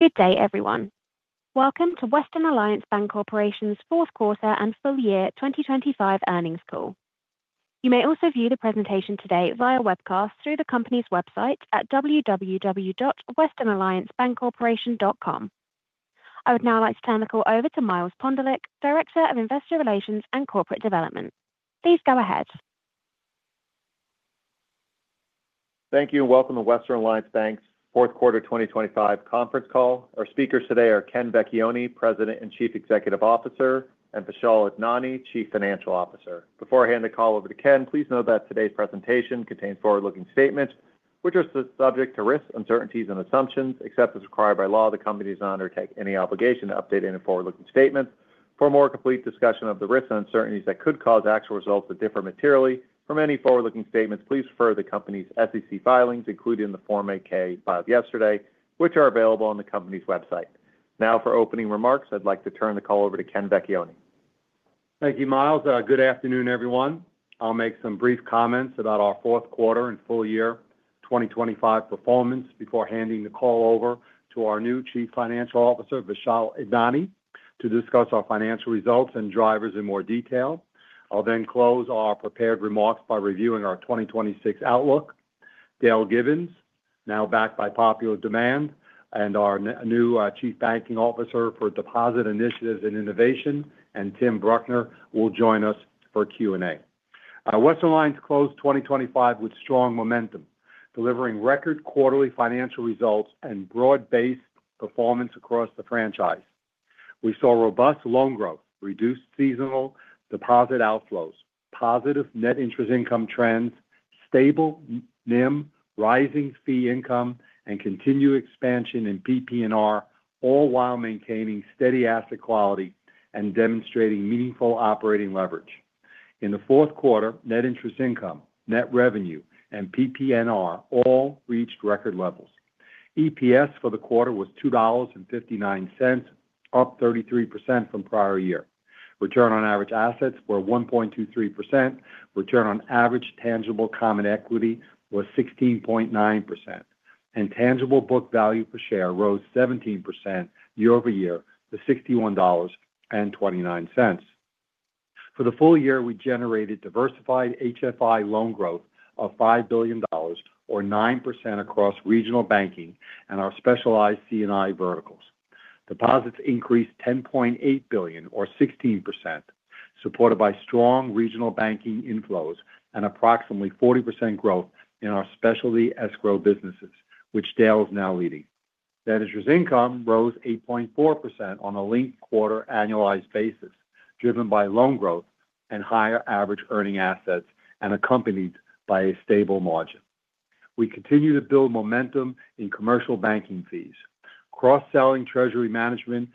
Good day, everyone. Welcome to Western Alliance Bancorporation's fourth quarter and full year 2025 earnings call. You may also view the presentation today via webcast through the company's website at www.westernalliancebancorporation.com. I would now like to turn the call over to Miles Pondelik, Director of Investor Relations and Corporate Development. Please go ahead. Thank you, and welcome to Western Alliance Bank's fourth quarter 2025 conference call. Our speakers today are Ken Vecchione, President and Chief Executive Officer, and Vishal Idnani, Chief Financial Officer. Before I hand the call over to Ken, please note that today's presentation contains forward-looking statements which are subject to risks, uncertainties, and assumptions. Except as required by law, the company does not undertake any obligation to update any forward-looking statements. For a more complete discussion of the risks and uncertainties that could cause actual results that differ materially from any forward-looking statements, please refer to the company's SEC filings, including the Form 8-K filed yesterday, which are available on the company's website. Now, for opening remarks, I'd like to turn the call over to Ken Vecchione. Thank you, Miles. Good afternoon, everyone. I'll make some brief comments about our fourth quarter and full year 2025 performance before handing the call over to our new Chief Financial Officer, Vishal Idnani, to discuss our financial results and drivers in more detail. I'll then close our prepared remarks by reviewing our 2026 outlook. Dale Gibbons, now back by popular demand, and our new Chief Banking Officer for Deposit Initiatives and Innovation, and Tim Bruckner, will join us for Q&A. Western Alliance closed 2025 with strong momentum, delivering record quarterly financial results and broad-based performance across the franchise. We saw robust loan growth, reduced seasonal deposit outflows, positive net interest income trends, stable NIM, rising fee income, and continued expansion in PP&R, all while maintaining steady asset quality and demonstrating meaningful operating leverage. In the fourth quarter, net interest income, net revenue, and PP&R all reached record levels. EPS for the quarter was $2.59, up 33% from prior year. Return on average assets were 1.23%. Return on average tangible common equity was 16.9%, and tangible book value per share rose 17% year-over-year to $61.29. For the full year, we generated diversified HFI loan growth of $5 billion, or 9% across regional banking and our specialized C&I verticals. Deposits increased $10.8 billion, or 16%, supported by strong regional banking inflows and approximately 40% growth in our specialty escrow businesses, which Dale is now leading. Net interest income rose 8.4% on a linked quarter annualized basis, driven by loan growth and higher average earning assets, and accompanied by a stable margin. We continue to build momentum in commercial banking fees. Cross-selling treasury management,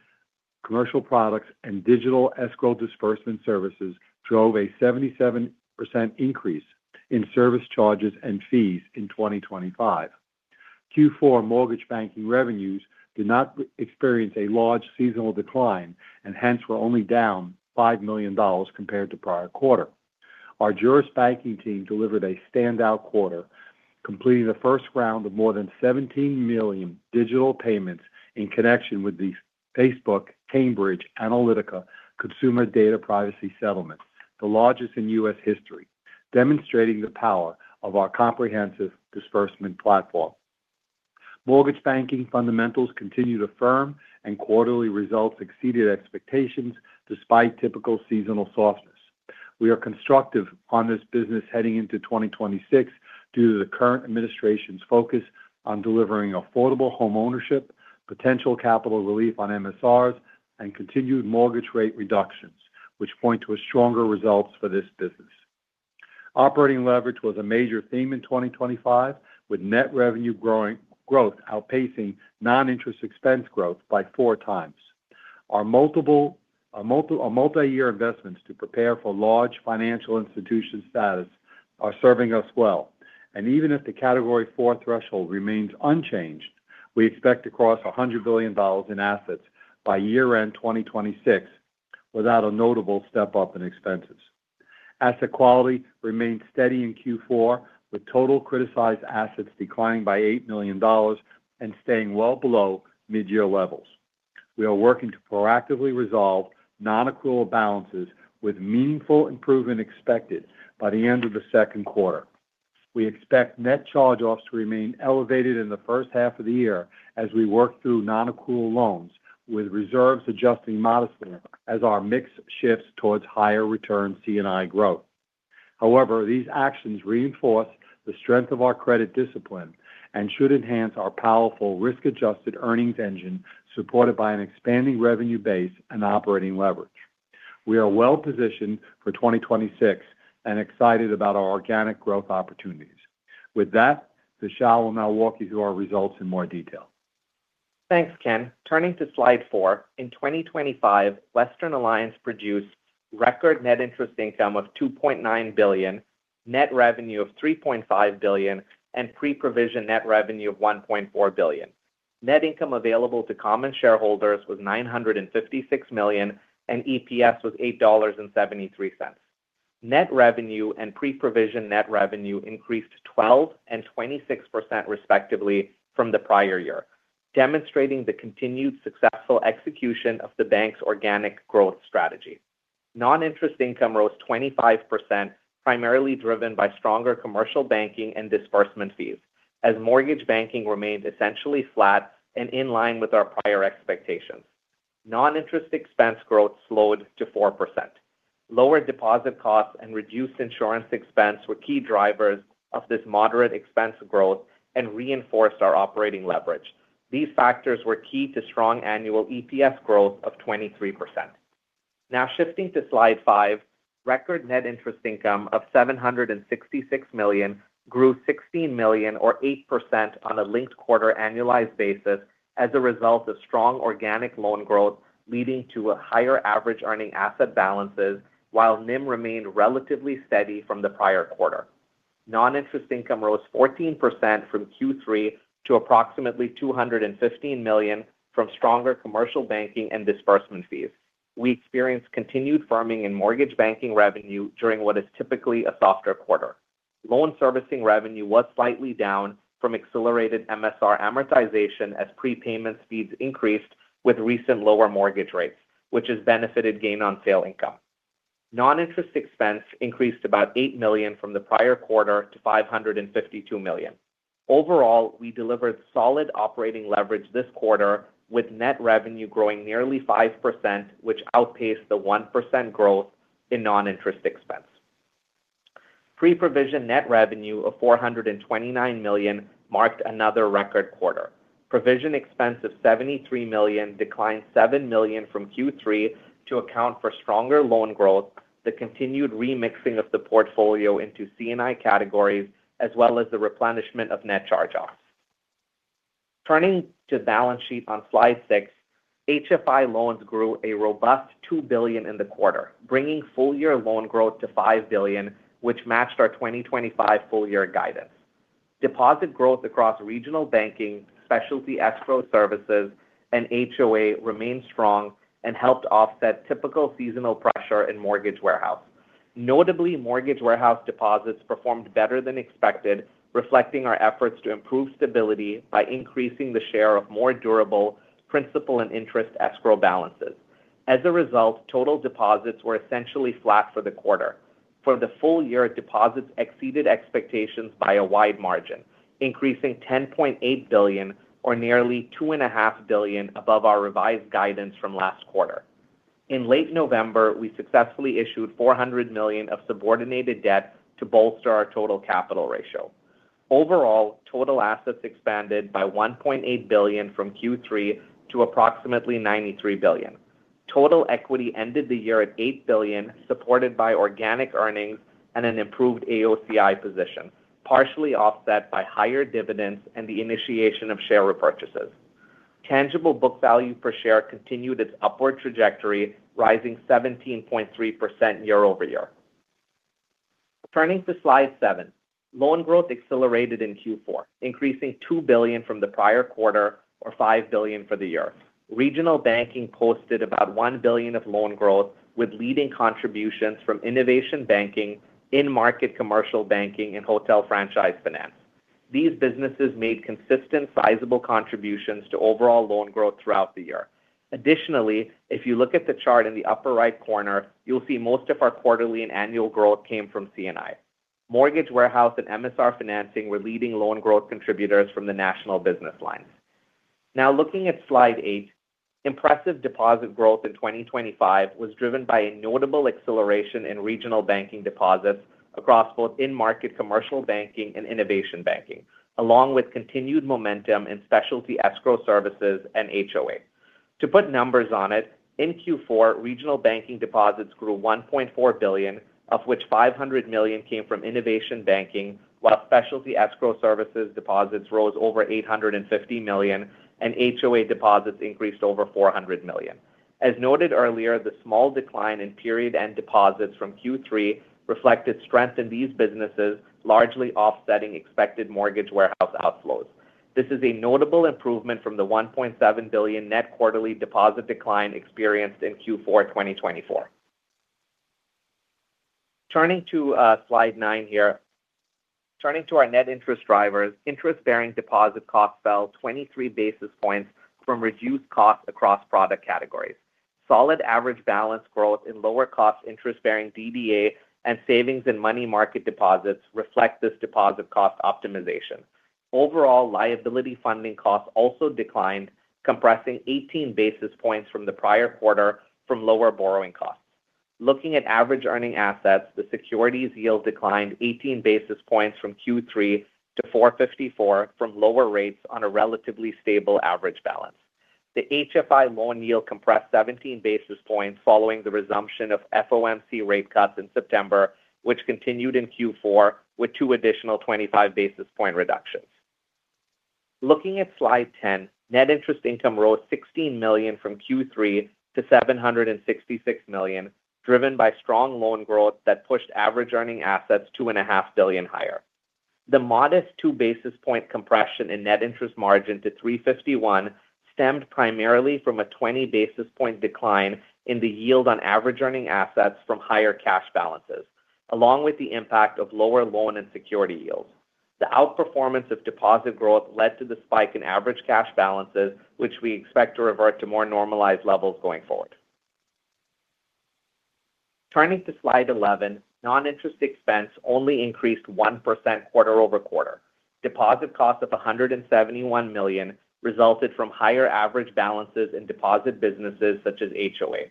commercial products, and digital escrow disbursement services drove a 77% increase in service charges and fees in 2025. Q4 mortgage banking revenues did not experience a large seasonal decline and hence were only down $5 million compared to prior quarter. Our Juris Banking team delivered a standout quarter, completing the first round of more than 17 million digital payments in connection with the Facebook Cambridge Analytica consumer data privacy settlement, the largest in U.S. history, demonstrating the power of our comprehensive disbursement platform. Mortgage banking fundamentals continue to firm, and quarterly results exceeded expectations despite typical seasonal softness. We are constructive on this business heading into 2026 due to the current administration's focus on delivering affordable homeownership, potential capital relief on MSRs, and continued mortgage rate reductions, which point to stronger results for this business. Operating leverage was a major theme in 2025, with net revenue growth outpacing non-interest expense growth by four times. Our multi-year investments to prepare for large financial institution status are serving us well, and even if the Category IV threshold remains unchanged, we expect to cross $100 billion in assets by year-end 2026 without a notable step up in expenses. Asset quality remained steady in Q4, with total criticized assets declining by $8 million and staying well below mid-year levels. We are working to proactively resolve non-accrual balances with meaningful improvement expected by the end of the second quarter. We expect net charge-offs to remain elevated in the first half of the year as we work through non-accrual loans, with reserves adjusting modestly as our mix shifts towards higher return C&I growth. However, these actions reinforce the strength of our credit discipline and should enhance our powerful risk-adjusted earnings engine supported by an expanding revenue base and operating leverage. We are well positioned for 2026 and excited about our organic growth opportunities. With that, Vishal will now walk you through our results in more detail. Thanks, Ken. Turning to slide four, in 2025, Western Alliance produced record net interest income of $2.9 billion, net revenue of $3.5 billion, and pre-provision net revenue of $1.4 billion. Net income available to common shareholders was $956 million, and EPS was $8.73. Net revenue and pre-provision net revenue increased 12% and 26% respectively from the prior year, demonstrating the continued successful execution of the bank's organic growth strategy. Non-interest income rose 25%, primarily driven by stronger commercial banking and disbursement fees, as mortgage banking remained essentially flat and in line with our prior expectations. Non-interest expense growth slowed to 4%. Lower deposit costs and reduced insurance expense were key drivers of this moderate expense growth and reinforced our operating leverage. These factors were key to strong annual EPS growth of 23%. Now shifting to slide five, record net interest income of $766 million grew $16 million, or 8% on a linked quarter annualized basis, as a result of strong organic loan growth leading to higher average earning asset balances, while NIM remained relatively steady from the prior quarter. Non-interest income rose 14% from Q3 to approximately $215 million from stronger commercial banking and disbursement fees. We experienced continued firming in mortgage banking revenue during what is typically a softer quarter. Loan servicing revenue was slightly down from accelerated MSR amortization as prepayment speeds increased with recent lower mortgage rates, which has benefited gain on sale income. Non-interest expense increased about $8 million from the prior quarter to $552 million. Overall, we delivered solid operating leverage this quarter, with net revenue growing nearly 5%, which outpaced the 1% growth in non-interest expense. Pre-provision net revenue of $429 million marked another record quarter. Provision expense of $73 million declined $7 million from Q3 to account for stronger loan growth, the continued remixing of the portfolio into C&I categories, as well as the replenishment of net charge-offs. Turning to balance sheet on slide six, HFI loans grew a robust $2 billion in the quarter, bringing full-year loan growth to $5 billion, which matched our 2025 full-year guidance. Deposit growth across regional banking, specialty escrow services, and HOA remained strong and helped offset typical seasonal pressure in mortgage warehouse. Notably, mortgage warehouse deposits performed better than expected, reflecting our efforts to improve stability by increasing the share of more durable principal and interest escrow balances. As a result, total deposits were essentially flat for the quarter. For the full year, deposits exceeded expectations by a wide margin, increasing $10.8 billion, or nearly $2.5 billion, above our revised guidance from last quarter. In late November, we successfully issued $400 million of subordinated debt to bolster our total capital ratio. Overall, total assets expanded by $1.8 billion from Q3 to approximately $93 billion. Total equity ended the year at $8 billion, supported by organic earnings and an improved AOCI position, partially offset by higher dividends and the initiation of share repurchases. Tangible book value per share continued its upward trajectory, rising 17.3% year-over-year. Turning to slide seven, loan growth accelerated in Q4, increasing $2 billion from the prior quarter, or $5 billion for the year. Regional Banking posted about $1 billion of loan growth, with leading contributions from Innovation Banking, in-market commercial banking, and Hotel Franchise Finance. These businesses made consistent, sizable contributions to overall loan growth throughout the year. Additionally, if you look at the chart in the upper right corner, you'll see most of our quarterly and annual growth came from C&I. Mortgage Warehouse and MSR Financing were leading loan growth contributors from the national business lines. Now looking at slide 8, impressive deposit growth in 2025 was driven by a notable acceleration in Regional Banking deposits across both in-market Commercial Banking and Innovation Banking, along with continued momentum in Specialty Escrow Services and HOA. To put numbers on it, in Q4, Regional Banking deposits grew $1.4 billion, of which $500 million came from Innovation Banking, while Specialty Escrow Services deposits rose over $850 million, and HOA deposits increased over $400 million. As noted earlier, the small decline in period-end deposits from Q3 reflected strength in these businesses, largely offsetting expected Mortgage Warehouse outflows. This is a notable improvement from the $1.7 billion net quarterly deposit decline experienced in Q4 2024. Turning to slide 9 here, turning to our net interest drivers, interest-bearing deposit costs fell 23 basis points from reduced costs across product categories. Solid average balance growth in lower-cost interest-bearing DDA and savings in money market deposits reflect this deposit cost optimization. Overall, liability funding costs also declined, compressing 18 basis points from the prior quarter from lower borrowing costs. Looking at average earning assets, the securities yield declined 18 basis points from Q3 to 4.54% from lower rates on a relatively stable average balance. The HFI loan yield compressed 17 basis points following the resumption of FOMC rate cuts in September, which continued in Q4 with two additional 25 basis point reductions. Looking at slide 10, net interest income rose $16 million from Q3 to $766 million, driven by strong loan growth that pushed average earning assets $2.5 billion higher. The modest 2 basis point compression in net interest margin to 351 stemmed primarily from a 20 basis point decline in the yield on average earning assets from higher cash balances, along with the impact of lower loan and security yields. The outperformance of deposit growth led to the spike in average cash balances, which we expect to revert to more normalized levels going forward. Turning to slide 11, non-interest expense only increased 1% quarter-over-quarter. Deposit costs of $171 million resulted from higher average balances in deposit businesses such as HOA.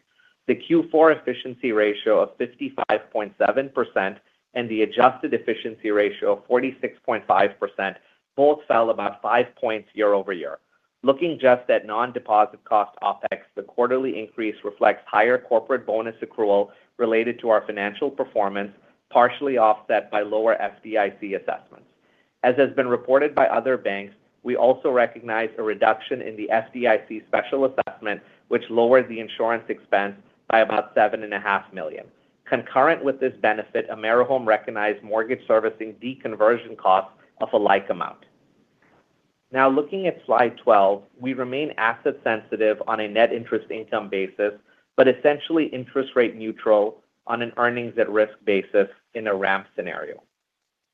The Q4 efficiency ratio of 55.7% and the adjusted efficiency ratio of 46.5% both fell about five points year-over-year. Looking just at non-deposit cost OpEx, the quarterly increase reflects higher corporate bonus accrual related to our financial performance, partially offset by lower FDIC assessments. As has been reported by other banks, we also recognize a reduction in the FDIC special assessment, which lowered the insurance expense by about $7.5 million. Concurrent with this benefit, AmeriHome recognized mortgage servicing deconversion costs of a like amount. Now looking at slide 12, we remain asset-sensitive on a net interest income basis, but essentially interest rate neutral on an earnings-at-risk basis in a ramp scenario.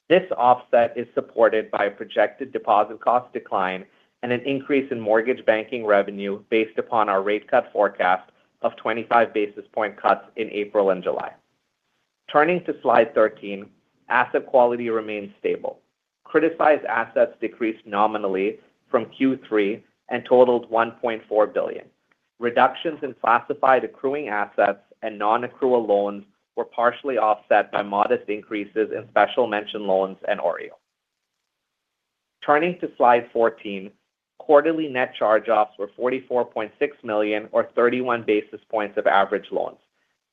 This offset is supported by a projected deposit cost decline and an increase in mortgage banking revenue based upon our rate cut forecast of 25 basis point cuts in April and July. Turning to slide 13, asset quality remains stable. Criticized assets decreased nominally from Q3 and totaled $1.4 billion. Reductions in classified accruing assets and non-accrual loans were partially offset by modest increases in special mention loans and OREO. Turning to slide 14, quarterly net charge-offs were $44.6 million, or 31 basis points of average loans.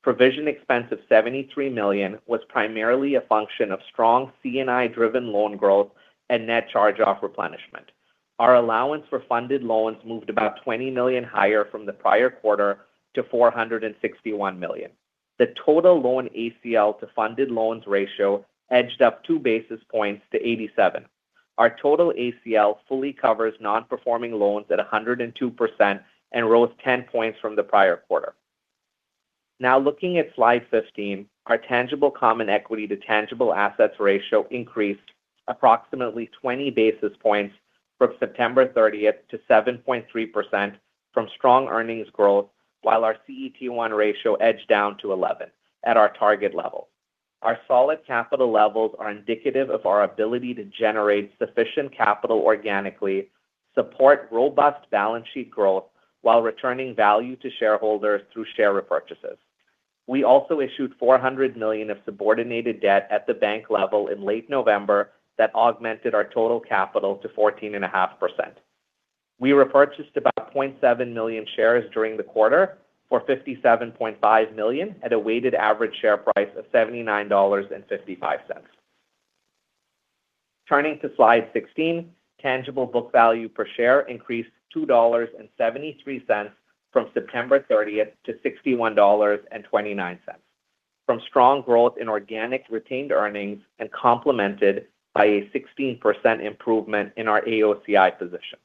Provision expense of $73 million was primarily a function of strong C&I-driven loan growth and net charge-off replenishment. Our allowance for funded loans moved about $20 million higher from the prior quarter to $461 million. The total loan ACL to funded loans ratio edged up 2 basis points to 87%. Our total ACL fully covers non-performing loans at 102% and rose 10 points from the prior quarter. Now looking at slide 15, our tangible common equity to tangible assets ratio increased approximately 20 basis points from September 30 to 7.3% from strong earnings growth, while our CET1 ratio edged down to 11% at our target level. Our solid capital levels are indicative of our ability to generate sufficient capital organically, support robust balance sheet growth, while returning value to shareholders through share repurchases. We also issued $400 million of subordinated debt at the bank level in late November that augmented our total capital to 14.5%. We repurchased about 0.7 million shares during the quarter for $57.5 million at a weighted average share price of $79.55. Turning to slide 16, tangible book value per share increased $2.73 from September thirtieth to $61.29, from strong growth in organic retained earnings and complemented by a 16% improvement in our AOCI position.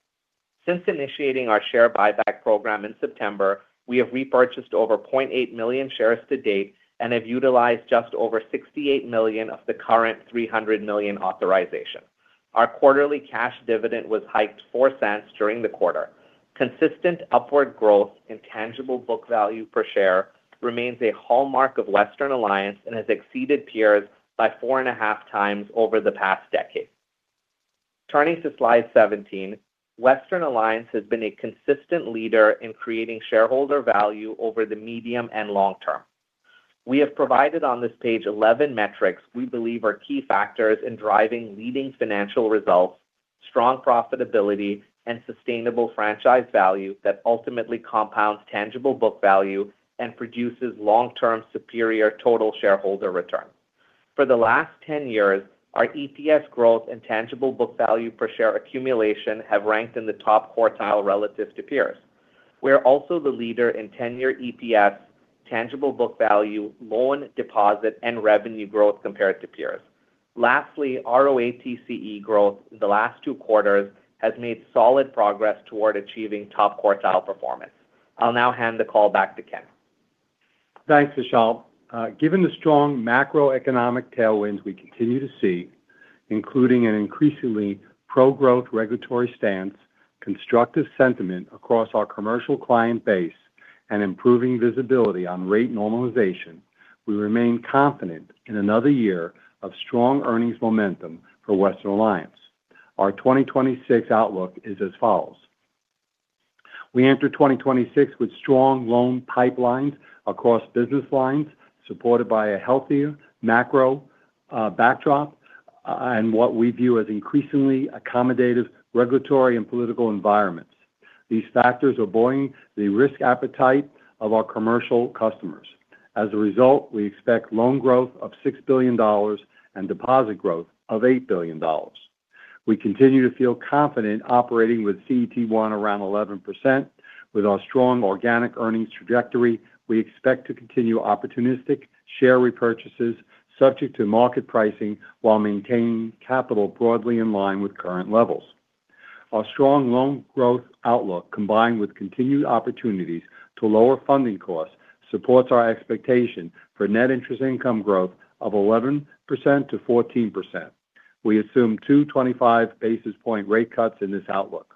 Since initiating our share buyback program in September, we have repurchased over 0.8 million shares to date and have utilized just over $68 million of the current $300 million authorization. Our quarterly cash dividend was hiked $0.04 during the quarter. Consistent upward growth in tangible book value per share remains a hallmark of Western Alliance and has exceeded peers by 4.5 times over the past decade. Turning to slide 17, Western Alliance has been a consistent leader in creating shareholder value over the medium and long term. We have provided on this page 11 metrics we believe are key factors in driving leading financial results, strong profitability, and sustainable franchise value that ultimately compounds tangible book value and produces long-term superior total shareholder return. For the last 10 years, our EPS growth and tangible book value per share accumulation have ranked in the top quartile relative to peers. We are also the leader in 10-year EPS, tangible book value, loan deposit, and revenue growth compared to peers. Lastly, ROATCE growth in the last two quarters has made solid progress toward achieving top quartile performance. I'll now hand the call back to Ken. Thanks, Vishal. Given the strong macroeconomic tailwinds we continue to see, including an increasingly pro-growth regulatory stance, constructive sentiment across our commercial client base, and improving visibility on rate normalization, we remain confident in another year of strong earnings momentum for Western Alliance. Our 2026 outlook is as follows. We enter 2026 with strong loan pipelines across business lines, supported by a healthier macro backdrop and what we view as increasingly accommodative regulatory and political environments. These factors are buoying the risk appetite of our commercial customers. As a result, we expect loan growth of $6 billion and deposit growth of $8 billion. We continue to feel confident operating with CET1 around 11%. With our strong organic earnings trajectory, we expect to continue opportunistic share repurchases subject to market pricing while maintaining capital broadly in line with current levels. Our strong loan growth outlook, combined with continued opportunities to lower funding costs, supports our expectation for net interest income growth of 11%-14%. We assume 2 25 basis point rate cuts in this outlook.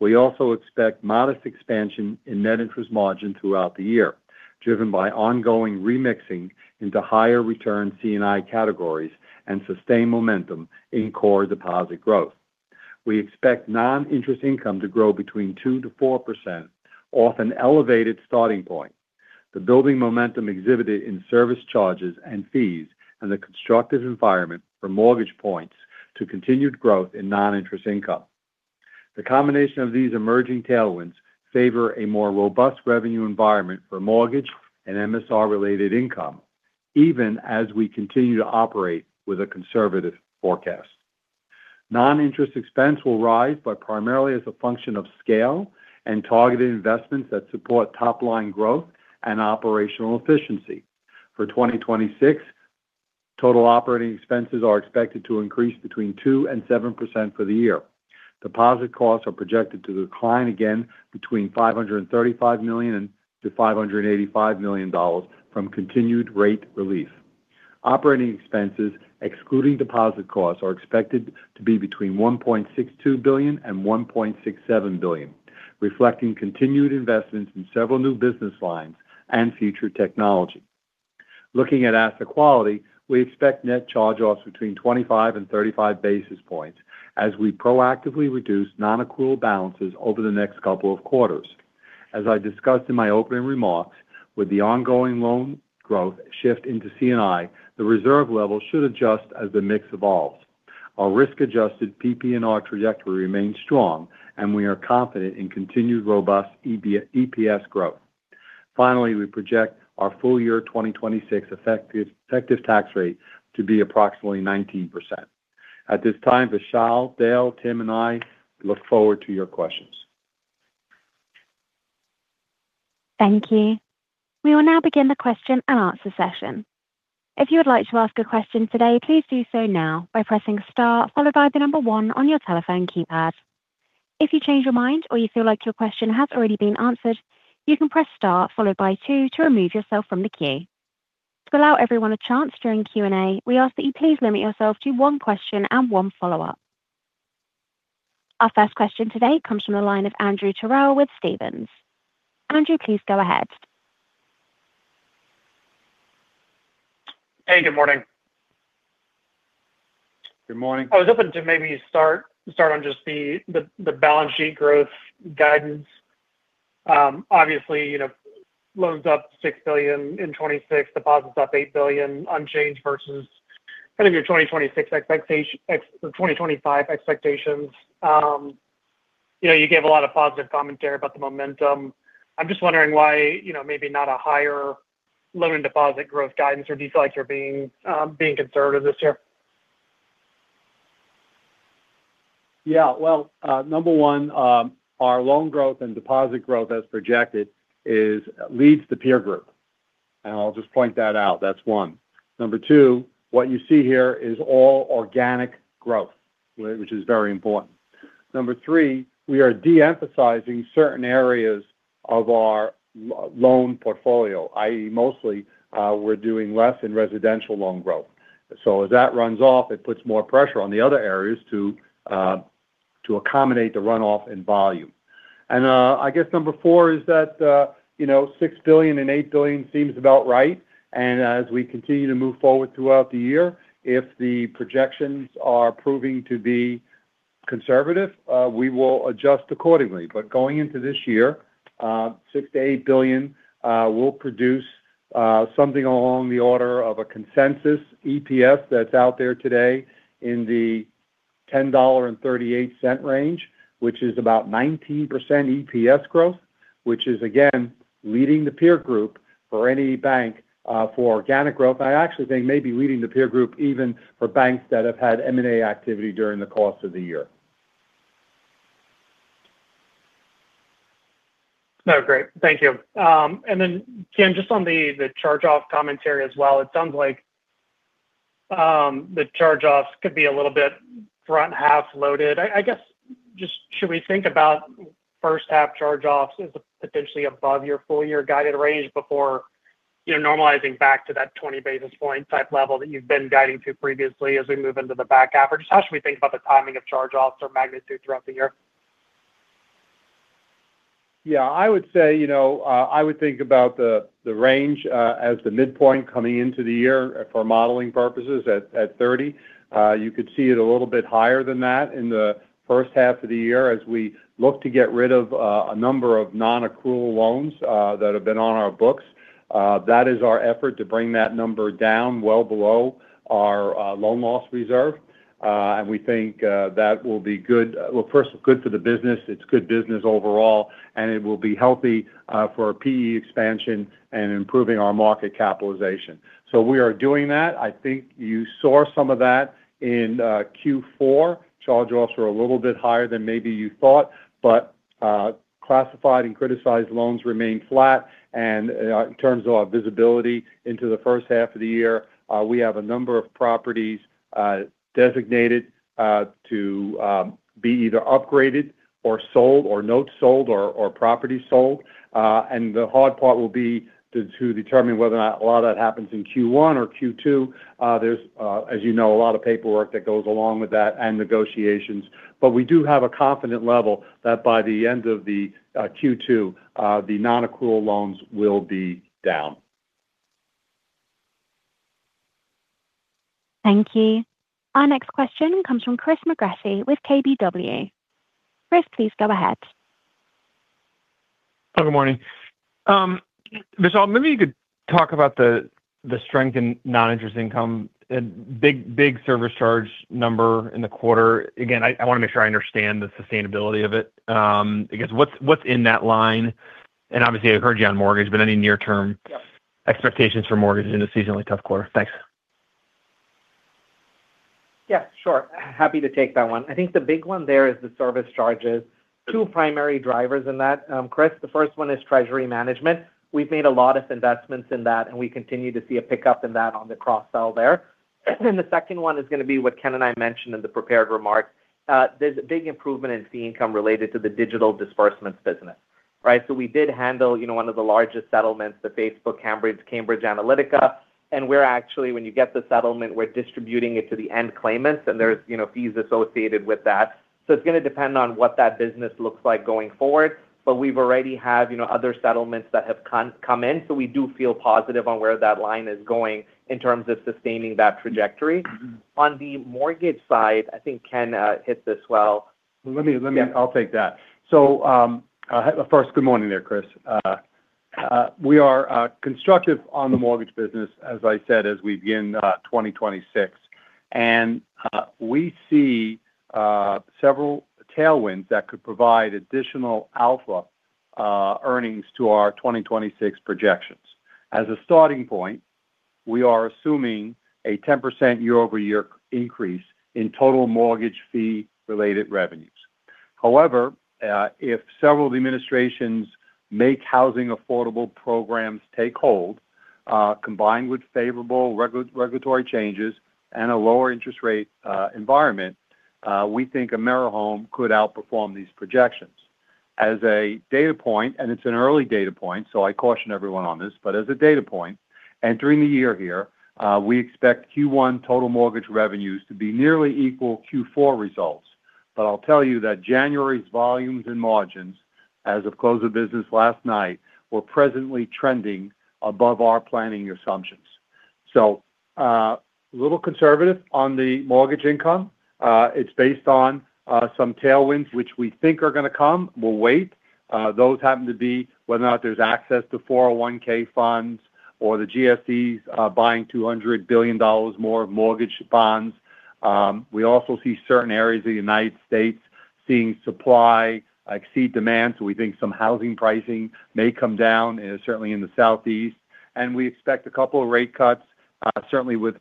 We also expect modest expansion in net interest margin throughout the year, driven by ongoing remixing into higher return C&I categories and sustained momentum in core deposit growth. We expect non-interest income to grow between 2%-4%, off an elevated starting point. The building momentum exhibited in service charges and fees and the constructive environment for mortgage points to continued growth in non-interest income. The combination of these emerging tailwinds favors a more robust revenue environment for mortgage and MSR-related income, even as we continue to operate with a conservative forecast. Non-interest expense will rise, but primarily as a function of scale and targeted investments that support top-line growth and operational efficiency. For 2026, total operating expenses are expected to increase between 2% and 7% for the year. Deposit costs are projected to decline again between $535 million and $585 million from continued rate relief. Operating expenses, excluding deposit costs, are expected to be between $1.62 billion and $1.67 billion, reflecting continued investments in several new business lines and future technology. Looking at asset quality, we expect net charge-offs between 25 and 35 basis points as we proactively reduce non-accrual balances over the next couple of quarters. As I discussed in my opening remarks, with the ongoing loan growth shift into C&I, the reserve level should adjust as the mix evolves. Our risk-adjusted PP&R trajectory remains strong, and we are confident in continued robust EPS growth. Finally, we project our full year 2026 effective tax rate to be approximately 19%. At this time, Vishal, Dale, Tim, and I look forward to your questions. Thank you. We will now begin the question-and-answer session. If you would like to ask a question today, please do so now by pressing star, followed by the number one on your telephone keypad. If you change your mind or you feel like your question has already been answered, you can press star, followed by two, to remove yourself from the queue. To allow everyone a chance during Q&A, we ask that you please limit yourself to one question and one follow-up. Our first question today comes from the line of Andrew Terrell with Stephens. Andrew, please go ahead. Hey, good morning. Good morning. I was hoping to maybe start on just the balance sheet growth guidance. Obviously, loans up $6 billion in 2026, deposits up $8 billion unchanged versus kind of your 2025 expectations. You gave a lot of positive commentary about the momentum. I'm just wondering why maybe not a higher loan and deposit growth guidance, or do you feel like you're being conservative this year? Yeah. Well, number one, our loan growth and deposit growth, as projected, leads the peer group. And I'll just point that out. That's one. Number two, what you see here is all organic growth, which is very important. Number three, we are de-emphasizing certain areas of our loan portfolio, i.e., mostly we're doing less in residential loan growth. So as that runs off, it puts more pressure on the other areas to accommodate the runoff in volume. And I guess number four is that $6 billion and $8 billion seems about right. And as we continue to move forward throughout the year, if the projections are proving to be conservative, we will adjust accordingly. But going into this year, $6 billion-$8 billion will produce something along the order of a consensus EPS that's out there today in the $10.38 range, which is about 19% EPS growth, which is, again, leading the peer group for any bank for organic growth. I actually think maybe leading the peer group even for banks that have had M&A activity during the course of the year. No, great. Thank you. And then, Ken, just on the charge-off commentary as well, it sounds like the charge-offs could be a little bit front half loaded. I guess just should we think about first half charge-offs as potentially above your full year guided range before normalizing back to that 20 basis point type level that you've been guiding to previously as we move into the back half? Or just how should we think about the timing of charge-offs or magnitude throughout the year? Yeah. I would say I would think about the range as the midpoint coming into the year for modeling purposes at 30. You could see it a little bit higher than that in the first half of the year as we look to get rid of a number of non-accrual loans that have been on our books. That is our effort to bring that number down well below our loan loss reserve. And we think that will be good. Well, first, good for the business. It's good business overall, and it will be healthy for PE expansion and improving our market capitalization. So we are doing that. I think you saw some of that in Q4. Charge-offs were a little bit higher than maybe you thought, but classified and criticized loans remain flat. In terms of our visibility into the first half of the year, we have a number of properties designated to be either upgraded or sold or not sold or properties sold. The hard part will be to determine whether or not a lot of that happens in Q1 or Q2. There's, as you know, a lot of paperwork that goes along with that and negotiations. We do have a confident level that by the end of Q2, the non-accrual loans will be down. Thank you. Our next question comes from Chris McGratty with KBW. Chris, please go ahead. Good morning. Vishal, maybe you could talk about the strength in non-interest income, big service charge number in the quarter. Again, I want to make sure I understand the sustainability of it. I guess what's in that line? And obviously, I heard you on mortgage, but any near-term expectations for mortgage in a seasonally tough quarter? Thanks. Yeah, sure. Happy to take that one. I think the big one there is the service charges. Two primary drivers in that. Chris, the first one is treasury management. We've made a lot of investments in that, and we continue to see a pickup in that on the cross-sell there. And then the second one is going to be what Ken and I mentioned in the prepared remarks. There's a big improvement in fee income related to the digital disbursements business, right? So we did handle one of the largest settlements, the Facebook Cambridge Analytica. And we're actually, when you get the settlement, we're distributing it to the end claimants, and there's fees associated with that. So it's going to depend on what that business looks like going forward. But we've already had other settlements that have come in, so we do feel positive on where that line is going in terms of sustaining that trajectory. On the mortgage side, I think Ken hit this well. Let me - I'll take that. So first, good morning there, Chris. We are constructive on the mortgage business, as I said, as we begin 2026. And we see several tailwinds that could provide additional alpha earnings to our 2026 projections. As a starting point, we are assuming a 10% year-over-year increase in total mortgage fee-related revenues. However, if several administrations make housing affordable programs take hold, combined with favorable regulatory changes and a lower interest rate environment, we think AmeriHome could outperform these projections. As a data point, and it's an early data point, so I caution everyone on this, but as a data point, entering the year here, we expect Q1 total mortgage revenues to be nearly equal Q4 results. But I'll tell you that January's volumes and margins, as of close of business last night, were presently trending above our planning assumptions. So a little conservative on the mortgage income. It's based on some tailwinds, which we think are going to come. We'll wait. Those happen to be whether or not there's access to 401(k) funds or the GSEs buying $200 billion more of mortgage bonds. We also see certain areas of the United States seeing supply exceed demand. So we think some housing pricing may come down, certainly in the Southeast. And we expect a couple of rate cuts, certainly with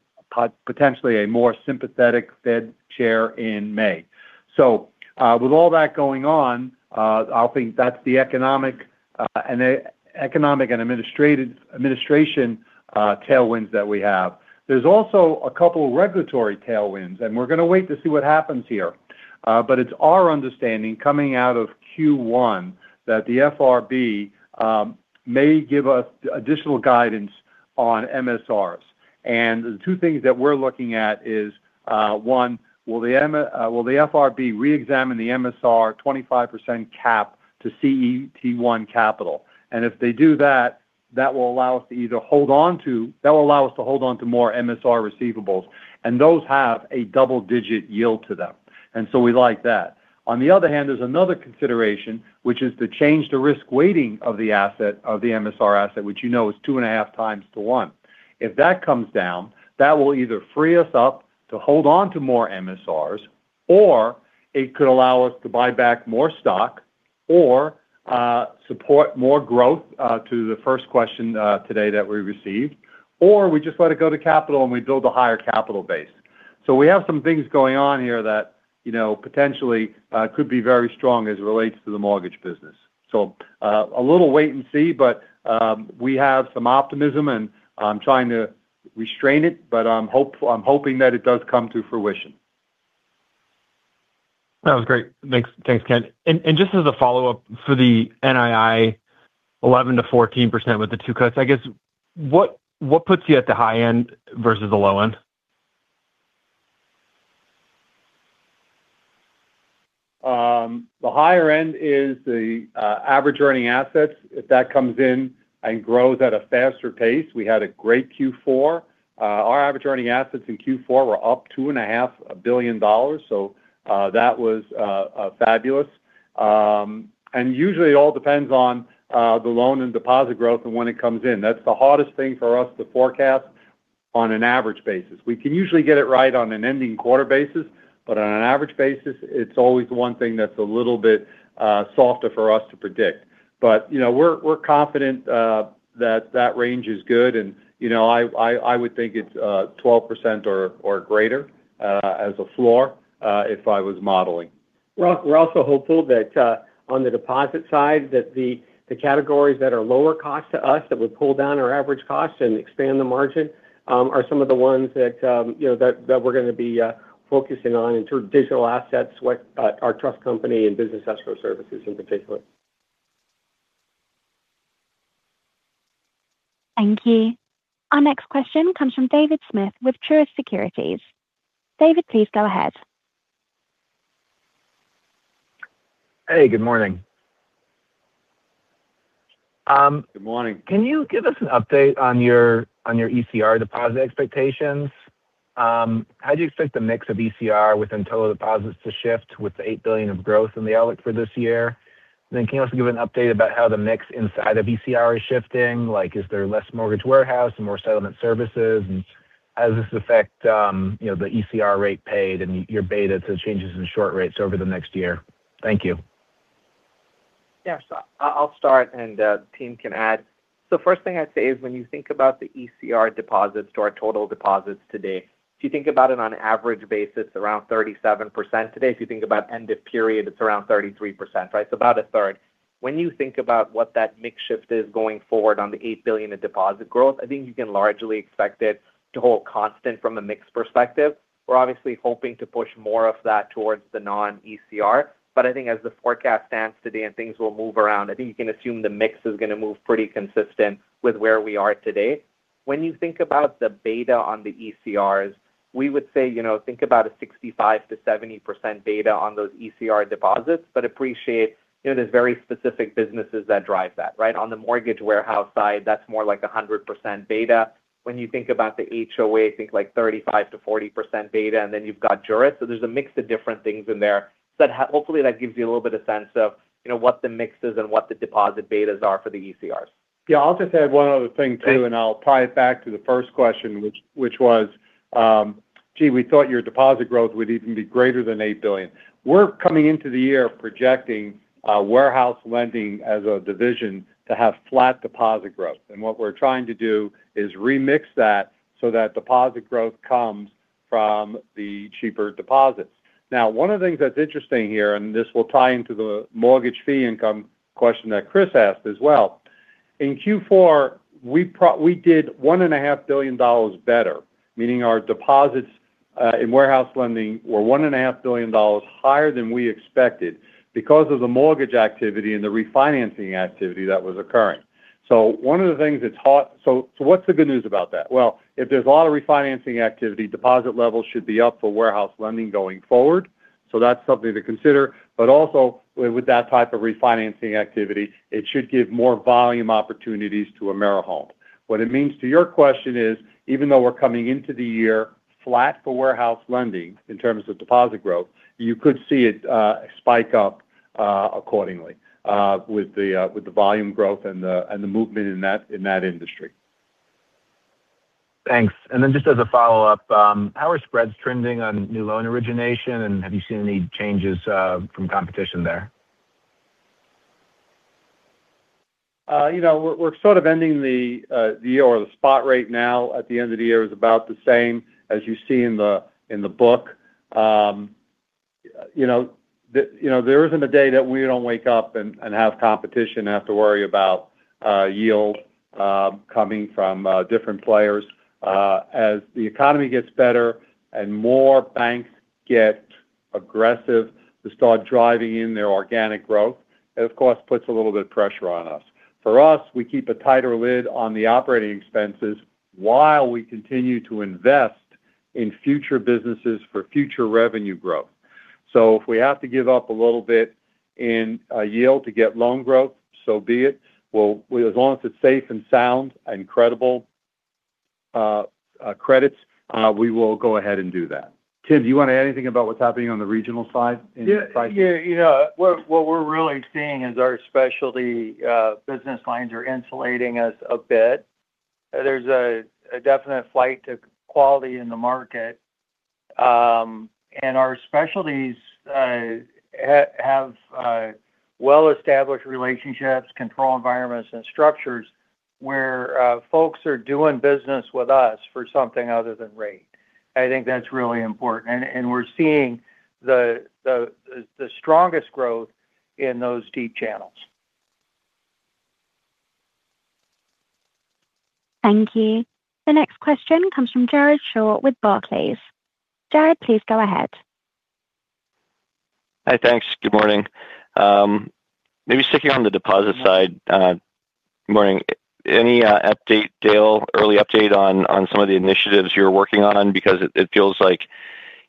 potentially a more sympathetic Fed chair in May. So with all that going on, I think that's the economic and administrative tailwinds that we have. There's also a couple of regulatory tailwinds, and we're going to wait to see what happens here. But it's our understanding coming out of Q1 that the FRB may give us additional guidance on MSRs. And the two things that we're looking at is, one, will the FRB re-examine the MSR 25% cap to CET1 capital? And if they do that, that will allow us to either hold on to—that will allow us to hold on to more MSR receivables. And those have a double-digit yield to them. And so we like that. On the other hand, there's another consideration, which is to change the risk weighting of the asset, of the MSR asset, which you know is 2.5 times to 1. If that comes down, that will either free us up to hold on to more MSRs, or it could allow us to buy back more stock or support more growth to the first question today that we received, or we just let it go to capital and we build a higher capital base. So we have some things going on here that potentially could be very strong as it relates to the mortgage business. So a little wait and see, but we have some optimism, and I'm trying to restrain it, but I'm hoping that it does come to fruition. That was great. Thanks, Ken. And just as a follow-up for the NII 11%-14% with the two cuts, I guess, what puts you at the high end versus the low end? The higher end is the average earning assets. If that comes in and grows at a faster pace, we had a great Q4. Our average earning assets in Q4 were up $2.5 billion. So that was fabulous. And usually, it all depends on the loan and deposit growth and when it comes in. That's the hardest thing for us to forecast on an average basis. We can usually get it right on an ending quarter basis, but on an average basis, it's always the one thing that's a little bit softer for us to predict. But we're confident that that range is good. And I would think it's 12% or greater as a floor if I was modeling. We're also hopeful that on the deposit side, that the categories that are lower cost to us, that would pull down our average cost and expand the margin, are some of the ones that we're going to be focusing on in terms of digital assets, our trust company, and Business Escrow Services in particular. Thank you. Our next question comes from David Smith with Truist Securities. David, please go ahead. Hey, good morning. Good morning. Can you give us an update on your ECR deposit expectations? How do you expect the mix of ECR within total deposits to shift with the $8 billion of growth in the outlook for this year? And then can you also give an update about how the mix inside of ECR is shifting? Is there less Mortgage Warehouse, more settlement services? And how does this affect the ECR rate paid and your beta to changes in short rates over the next year? Thank you. Yeah. So I'll start, and the team can add. So first thing I'd say is when you think about the ECR deposits to our total deposits today, if you think about it on an average basis, around 37% today. If you think about end of period, it's around 33%, right? So about a third. When you think about what that mix shift is going forward on the $8 billion of deposit growth, I think you can largely expect it to hold constant from a mix perspective. We're obviously hoping to push more of that towards the non-ECR. But I think as the forecast stands today and things will move around, I think you can assume the mix is going to move pretty consistent with where we are today. When you think about the beta on the ECRs, we would say think about a 65%-70% beta on those ECR deposits, but appreciate there's very specific businesses that drive that, right? On the mortgage warehouse side, that's more like 100% beta. When you think about the HOA, think like 35%-40% beta, and then you've got Juris. So there's a mix of different things in there. So hopefully, that gives you a little bit of sense of what the mix is and what the deposit betas are for the ECRs. Yeah. I'll just add one other thing too, and I'll tie it back to the first question, which was, gee, we thought your deposit growth would even be greater than $8 billion. We're coming into the year projecting warehouse lending as a division to have flat deposit growth. And what we're trying to do is remix that so that deposit growth comes from the cheaper deposits. Now, one of the things that's interesting here, and this will tie into the mortgage fee income question that Chris asked as well. In Q4, we did $1.5 billion better, meaning our deposits in warehouse lending were $1.5 billion higher than we expected because of the mortgage activity and the refinancing activity that was occurring. So one of the things that's hard, so what's the good news about that? Well, if there's a lot of refinancing activity, deposit levels should be up for warehouse lending going forward. So that's something to consider. But also, with that type of refinancing activity, it should give more volume opportunities to AmeriHome. What it means to your question is, even though we're coming into the year flat for warehouse lending in terms of deposit growth, you could see it spike up accordingly with the volume growth and the movement in that industry. Thanks. And then just as a follow-up, how are spreads trending on new loan origination, and have you seen any changes from competition there? We're sort of ending the year where the spot rate now at the end of the year is about the same as you see in the book. There isn't a day that we don't wake up and have competition and have to worry about yield coming from different players. As the economy gets better and more banks get aggressive to start driving in their organic growth, it, of course, puts a little bit of pressure on us. For us, we keep a tighter lid on the operating expenses while we continue to invest in future businesses for future revenue growth. So if we have to give up a little bit in yield to get loan growth, so be it, as long as it's safe and sound and credible credits, we will go ahead and do that. Tim, do you want to add anything about what's happening on the regional side in pricing? Yeah. What we're really seeing is our specialty business lines are insulating us a bit. There's a definite flight to quality in the market. And our specialties have well-established relationships, control environments, and structures where folks are doing business with us for something other than rate. I think that's really important. And we're seeing the strongest growth in those deep channels. Thank you. The next question comes from Jared Shaw with Barclays. Jared, please go ahead. Hi, thanks. Good morning. Maybe sticking on the deposit side, good morning. Any update, Dale, early update on some of the initiatives you're working on? Because it feels like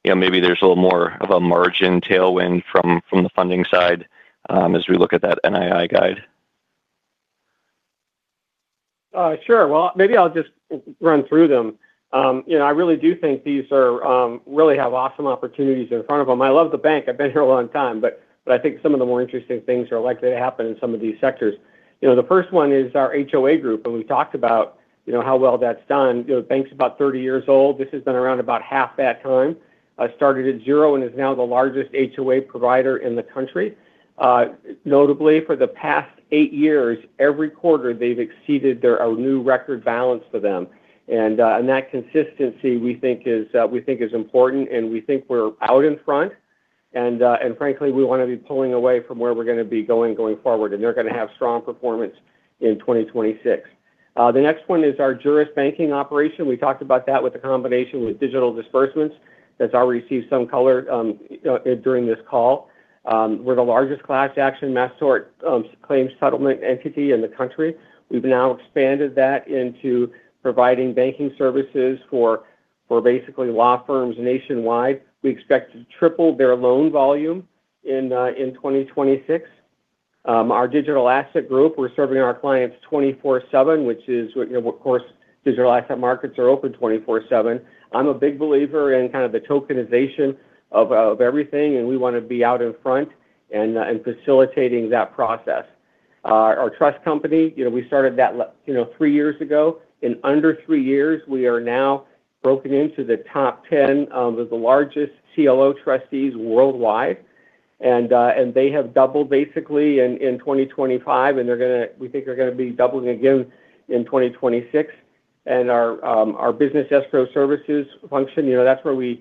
maybe there's a little more of a margin tailwind from the funding side as we look at that NII guide. Sure. Well, maybe I'll just run through them. I really do think these really have awesome opportunities in front of them. I love the bank. I've been here a long time, but I think some of the more interesting things are likely to happen in some of these sectors. The first one is our HOA group. We've talked about how well that's done. The bank's about 30 years old. This has been around about half that time. Started at 0 and is now the largest HOA provider in the country. Notably, for the past eight years, every quarter, they've exceeded our new record balance for them. That consistency, we think, is important. We think we're out in front. Frankly, we want to be pulling away from where we're going to be going forward. They're going to have strong performance in 2026. The next one is our Juris Banking operation. We talked about that with a combination with digital disbursements. That's already seen some color during this call. We're the largest class action mass tort claims settlement entity in the country. We've now expanded that into providing banking services for basically law firms nationwide. We expect to triple their loan volume in 2026. Our Digital Asset Group, we're serving our clients 24/7, which is, of course, digital asset markets are open 24/7. I'm a big believer in kind of the tokenization of everything. We want to be out in front and facilitating that process. Our trust company, we started that three years ago. In under three years, we are now broken into the top 10 of the largest CLO trustees worldwide. They have doubled basically in 2025. We think they're going to be doubling again in 2026. Our Business Escrow Services function, that's where we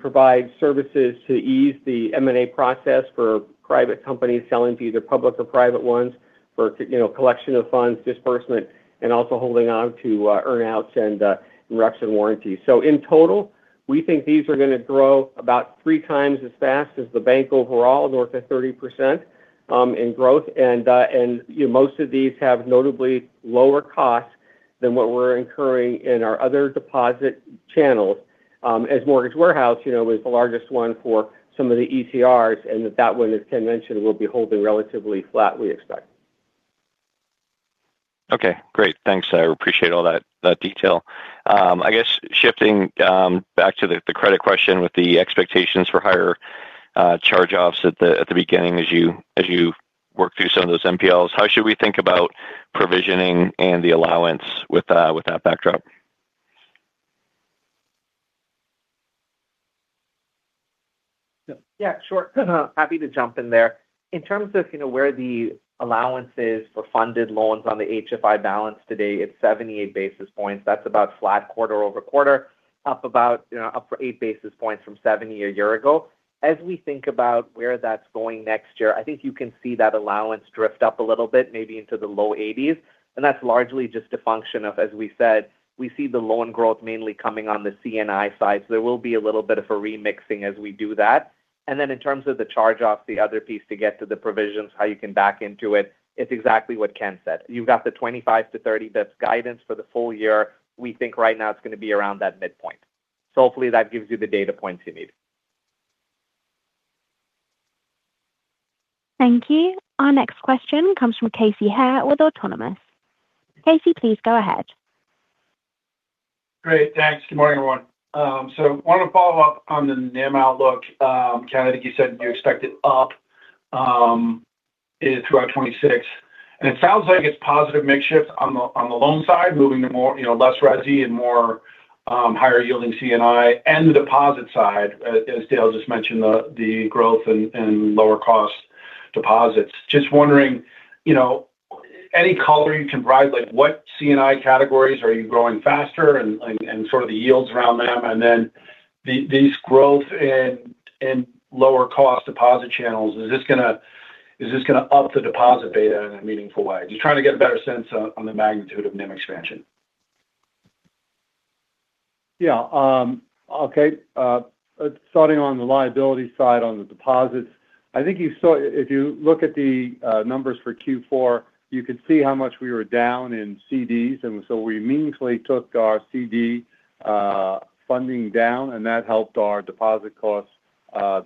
provide services to ease the M&A process for private companies selling to either public or private ones for collection of funds, disbursement, and also holding on to earnouts and reduction warranties. So in total, we think these are going to grow about three times as fast as the bank overall, north of 30% in growth. And most of these have notably lower costs than what we're incurring in our other deposit channels. As Mortgage Warehouse is the largest one for some of the ECRs, and that one, as Ken mentioned, will be holding relatively flat, we expect. Okay. Great. Thanks. I appreciate all that detail. I guess shifting back to the credit question with the expectations for higher charge-offs at the beginning as you work through some of those MPLs, how should we think about provisioning and the allowance with that backdrop? Yeah. Sure. Happy to jump in there. In terms of where the allowance is for funded loans on the HFI balance today, it's 78 basis points. That's about flat quarter-over-quarter, up 48 basis points from 70 a year ago. As we think about where that's going next year, I think you can see that allowance drift up a little bit, maybe into the low 80s. And that's largely just a function of, as we said, we see the loan growth mainly coming on the C&I side. So there will be a little bit of a remixing as we do that. And then in terms of the charge-offs, the other piece to get to the provisions, how you can back into it, it's exactly what Ken said. You've got the 25-30 bps guidance for the full year. We think right now it's going to be around that midpoint. So hopefully, that gives you the data points you need. Thank you. Our next question comes from Casey Haire with Autonomous Research. Casey, please go ahead. Great. Thanks. Good morning, everyone. So I want to follow up on the NIM outlook. Ken, I think you said you expected up throughout 2026. And it sounds like it's positive mix shift on the loan side, moving to less resi and more higher yielding C&I. And the deposit side, as Dale just mentioned, the growth and lower cost deposits. Just wondering, any color you can provide, what C&I categories are you growing faster and sort of the yields around them? And then these growth in lower cost deposit channels, is this going to up the deposit beta in a meaningful way? Just trying to get a better sense on the magnitude of NIM expansion. Yeah. Okay. Starting on the liability side on the deposits, I think if you look at the numbers for Q4, you could see how much we were down in CDs. And so we meaningfully took our CD funding down, and that helped our deposit cost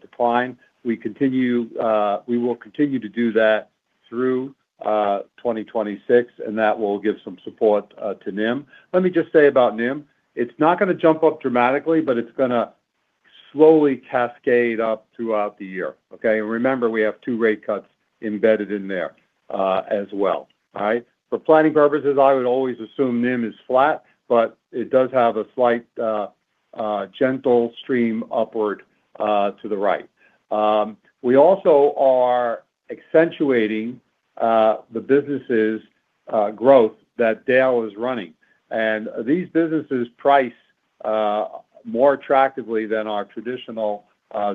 decline. We will continue to do that through 2026, and that will give some support to NIM. Let me just say about NIM, it's not going to jump up dramatically, but it's going to slowly cascade up throughout the year. Okay? And remember, we have two rate cuts embedded in there as well. All right? For planning purposes, I would always assume NIM is flat, but it does have a slight gentle stream upward to the right. We also are accentuating the businesses' growth that Dale is running. And these businesses price more attractively than our traditional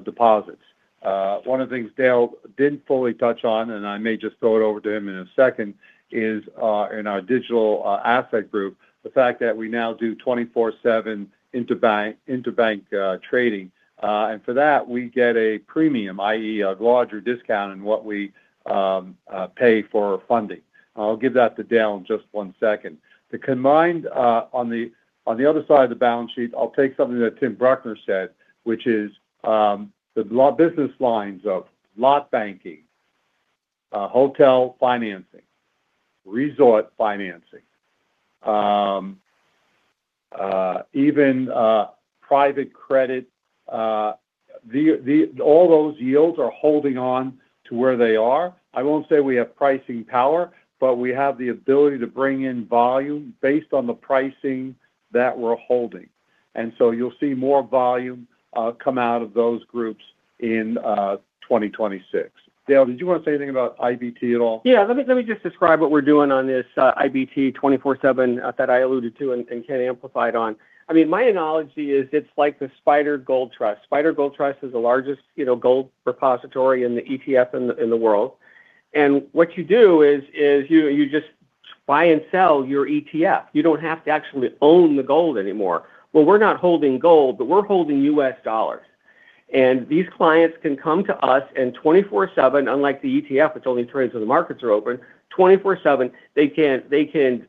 deposits. One of the things Dale didn't fully touch on, and I may just throw it over to him in a second, is in our Digital Asset Group, the fact that we now do 24/7 interbank trading. And for that, we get a premium, i.e., a larger discount in what we pay for funding. I'll give that to Dale in just one second. To combine on the other side of the balance sheet, I'll take something that Tim Bruckner said, which is the business lines Lot Banking, hotel financing, Resort Financing, even private credit. All those yields are holding on to where they are. I won't say we have pricing power, but we have the ability to bring in volume based on the pricing that we're holding. And so you'll see more volume come out of those groups in 2026. Dale, did you want to say anything about IBT at all? Yeah. Let me just describe what we're doing on this IBT 24/7 that I alluded to and Ken amplified on. I mean, my analogy is it's like the SPDR Gold Trust. SPDR Gold Trust is the largest gold repository and the ETF in the world. And what you do is you just buy and sell your ETF. You don't have to actually own the gold anymore. Well, we're not holding gold, but we're holding US dollars. And these clients can come to us 24/7, unlike the ETF, which only trades when the markets are open, 24/7. They can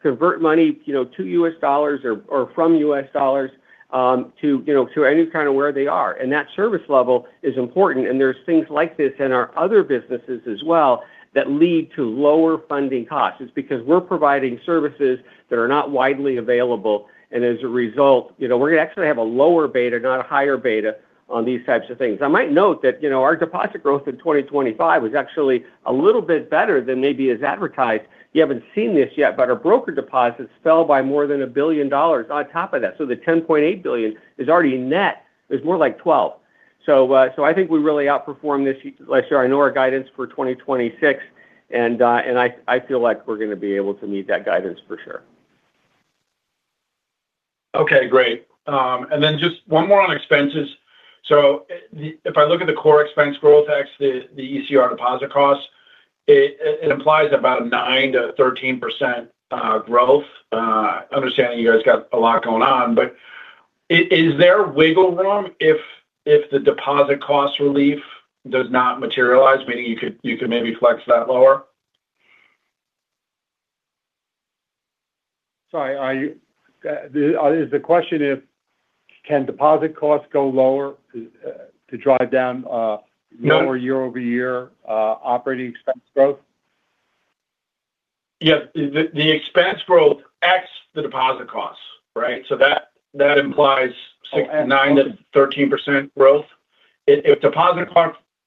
convert money to US dollars or from US dollars to any kind of where they are. And that service level is important. And there's things like this in our other businesses as well that lead to lower funding costs. It's because we're providing services that are not widely available. And as a result, we're going to actually have a lower beta, not a higher beta on these types of things. I might note that our deposit growth in 2025 was actually a little bit better than maybe is advertised. You haven't seen this yet, but our broker deposits fell by more than $1 billion on top of that. So the $10.8 billion is already net. There's more like $12 billion. So I think we really outperformed this last year. I know our guidance for 2026. And I feel like we're going to be able to meet that guidance for sure. Okay. Great. And then just one more on expenses. So if I look at the core expense growth, actually the ECR deposit costs, it implies about 9%-13% growth. Understanding you guys got a lot going on. But is there wiggle room if the deposit cost relief does not materialize, meaning you could maybe flex that lower? Sorry. Is the question if deposit costs can go lower to drive down year-over-year operating expense growth? Yep. The expense growth tracks the deposit costs, right? So that implies 9%-13% growth. If deposit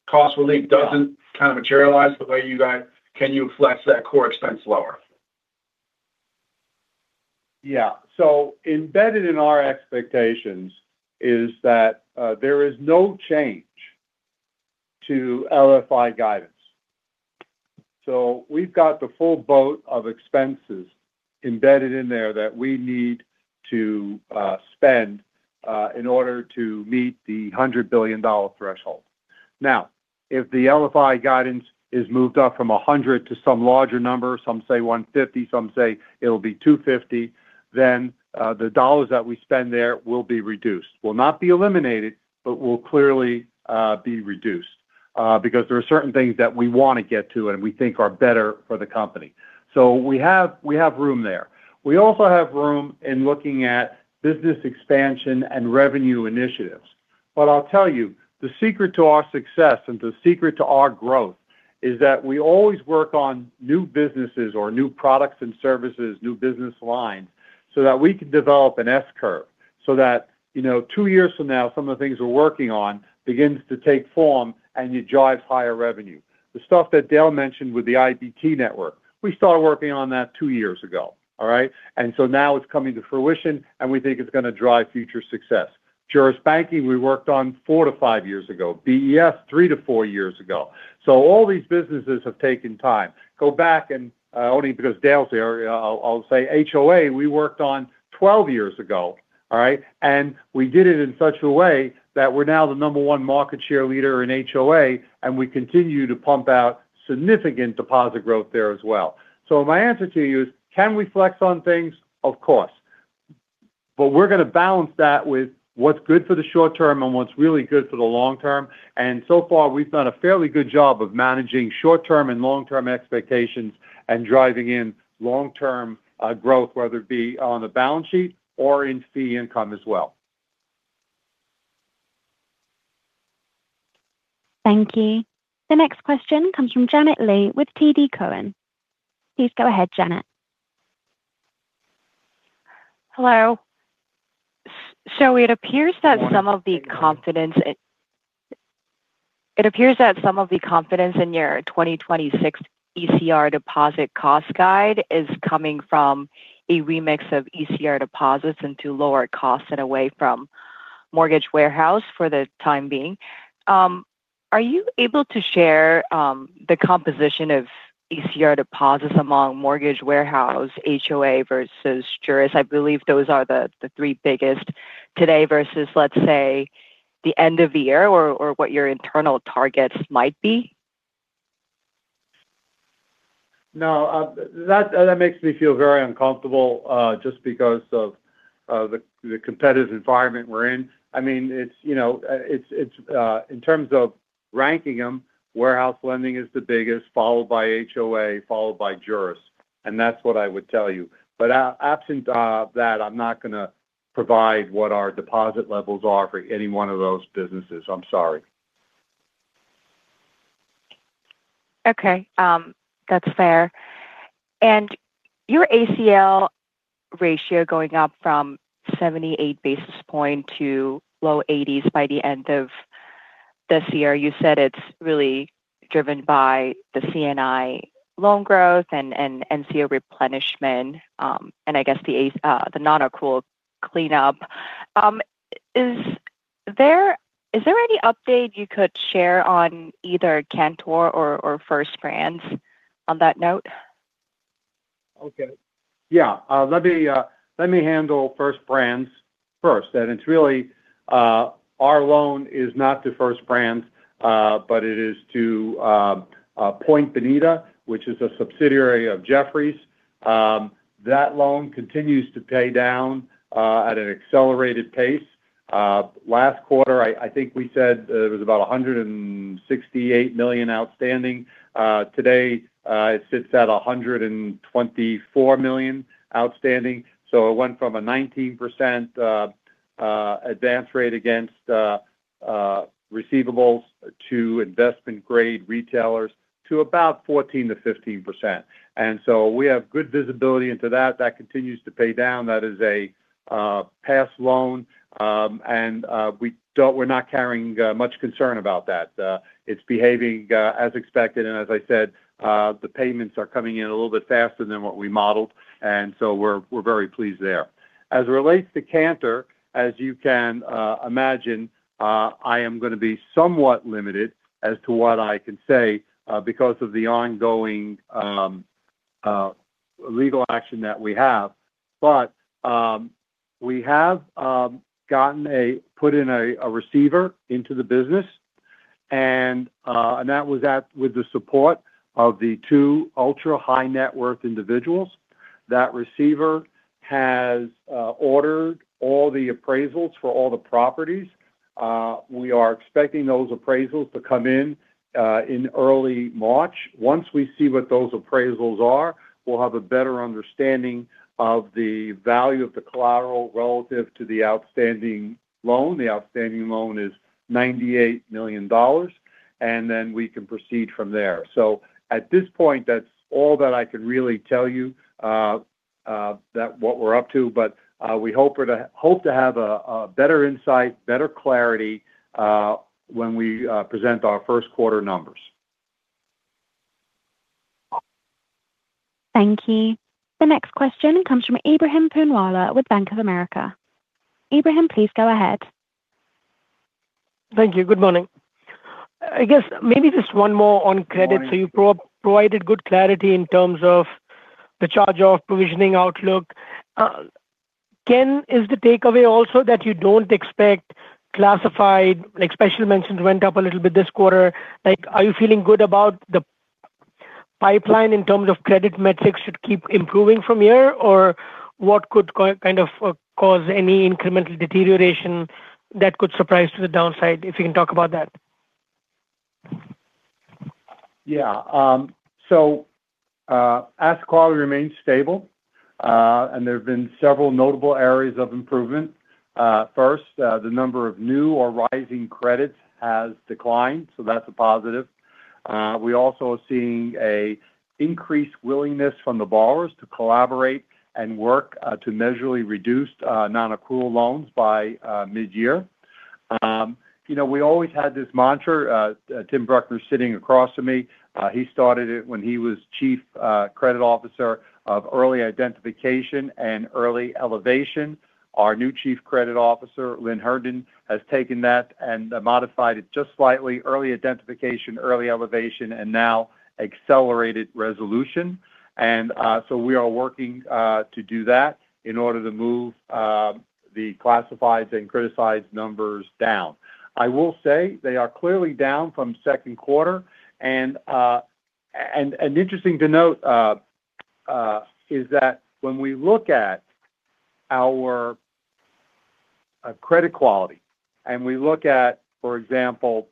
cost relief doesn't kind of materialize the way you guys, can you flex that core expense lower? Yeah. So embedded in our expectations is that there is no change to LFI guidance. So we've got the full boat of expenses embedded in there that we need to spend in order to meet the $100 billion threshold. Now, if the LFI guidance is moved up from 100 to some larger number, some say 150, some say it'll be 250, then the dollars that we spend there will be reduced. Will not be eliminated, but will clearly be reduced because there are certain things that we want to get to and we think are better for the company. So we have room there. We also have room in looking at business expansion and revenue initiatives. But I'll tell you, the secret to our success and the secret to our growth is that we always work on new businesses or new products and services, new business lines so that we can develop an S-curve. So that two years from now, some of the things we're working on begins to take form and it drives higher revenue. The stuff that Dale mentioned with the IBT network, we started working on that two years ago, all right? And so now it's coming to fruition, and we think it's going to drive future success. Juris Banking, we worked on 4-5 years ago. BES, 3-4 years ago. So all these businesses have taken time. Go back and only because Dale's here, I'll say HOA, we worked on 12 years ago, all right? And we did it in such a way that we're now the number one market share leader in HOA, and we continue to pump out significant deposit growth there as well. So my answer to you is, can we flex on things? Of course. But we're going to balance that with what's good for the short term and what's really good for the long term. And so far, we've done a fairly good job of managing short-term and long-term expectations and driving in long-term growth, whether it be on the balance sheet or in fee income as well. Thank you. The next question comes from Janet Lee with TD Cowen. Please go ahead, Janet. Hello. So it appears that some of the confidence in your 2026 ECR deposit cost guide is coming from a remix of ECR deposits into lower cost and away from mortgage warehouse for the time being. Are you able to share the composition of ECR deposits among mortgage warehouse, HOA versus Juris? I believe those are the three biggest today versus, let's say, the end of the year or what your internal targets might be? No. That makes me feel very uncomfortable just because of the competitive environment we're in. I mean, it's in terms of ranking them, warehouse lending is the biggest, followed by HOA, followed by Juris. And that's what I would tell you. But absent of that, I'm not going to provide what our deposit levels are for any one of those businesses. I'm sorry. Okay. That's fair. And your ACL ratio going up from 78 basis points to low 80s by the end of this year, you said it's really driven by the C&I loan growth and NCO replenishment, and I guess the non-accrual cleanup. Is there any update you could share on either Canter or First Brands on that note? Okay. Yeah. Let me handle First Brands first. And it's really our loan is not to First Brands, but it is to Point Bonita, which is a subsidiary of Jefferies. That loan continues to pay down at an accelerated pace. Last quarter, I think we said there was about $168 million outstanding. Today, it sits at $124 million outstanding. It went from a 19% advance rate against receivables to investment-grade retailers to about 14%-15%. And so we have good visibility into that. That continues to pay down. That is a pass loan. And we're not carrying much concern about that. It's behaving as expected. And as I said, the payments are coming in a little bit faster than what we modeled. And so we're very pleased there. As it relates to Canter, as you can imagine, I am going to be somewhat limited as to what I can say because of the ongoing legal action that we have. But we have gotten a put in a receiver into the business. And that was with the support of the two ultra-high net worth individuals. That receiver has ordered all the appraisals for all the properties. We are expecting those appraisals to come in in early March. Once we see what those appraisals are, we'll have a better understanding of the value of the collateral relative to the outstanding loan. The outstanding loan is $98 million. Then we can proceed from there. At this point, that's all that I can really tell you that what we're up to. But we hope to have a better insight, better clarity when we present our first quarter numbers. Thank you. The next question comes from Ebrahim Poonawala with Bank of America. Ebrahim, please go ahead. Thank you. Good morning. I guess maybe just one more on credit. You provided good clarity in terms of the charge-off provisioning outlook. Ken, is the takeaway also that you don't expect classified special mentions went up a little bit this quarter? Are you feeling good about the pipeline in terms of credit metrics should keep improving from here? Or what could kind of cause any incremental deterioration that could surprise to the downside if you can talk about that? Yeah. So asset quality remains stable. And there have been several notable areas of improvement. First, the number of new or rising credits has declined. So that's a positive. We also are seeing an increased willingness from the borrowers to collaborate and work to measurably reduce non-accrual loans by mid-year. We always had this mantra. Tim Bruckner sitting across from me. He started it when he was Chief Credit Officer of early identification and early elevation. Our new Chief Credit Officer, Lynne Herndon, has taken that and modified it just slightly. Early identification, early elevation, and now accelerated resolution. And so we are working to do that in order to move the classifieds and criticized numbers down. I will say they are clearly down from second quarter. Interesting to note is that when we look at our credit quality and we look at, for example,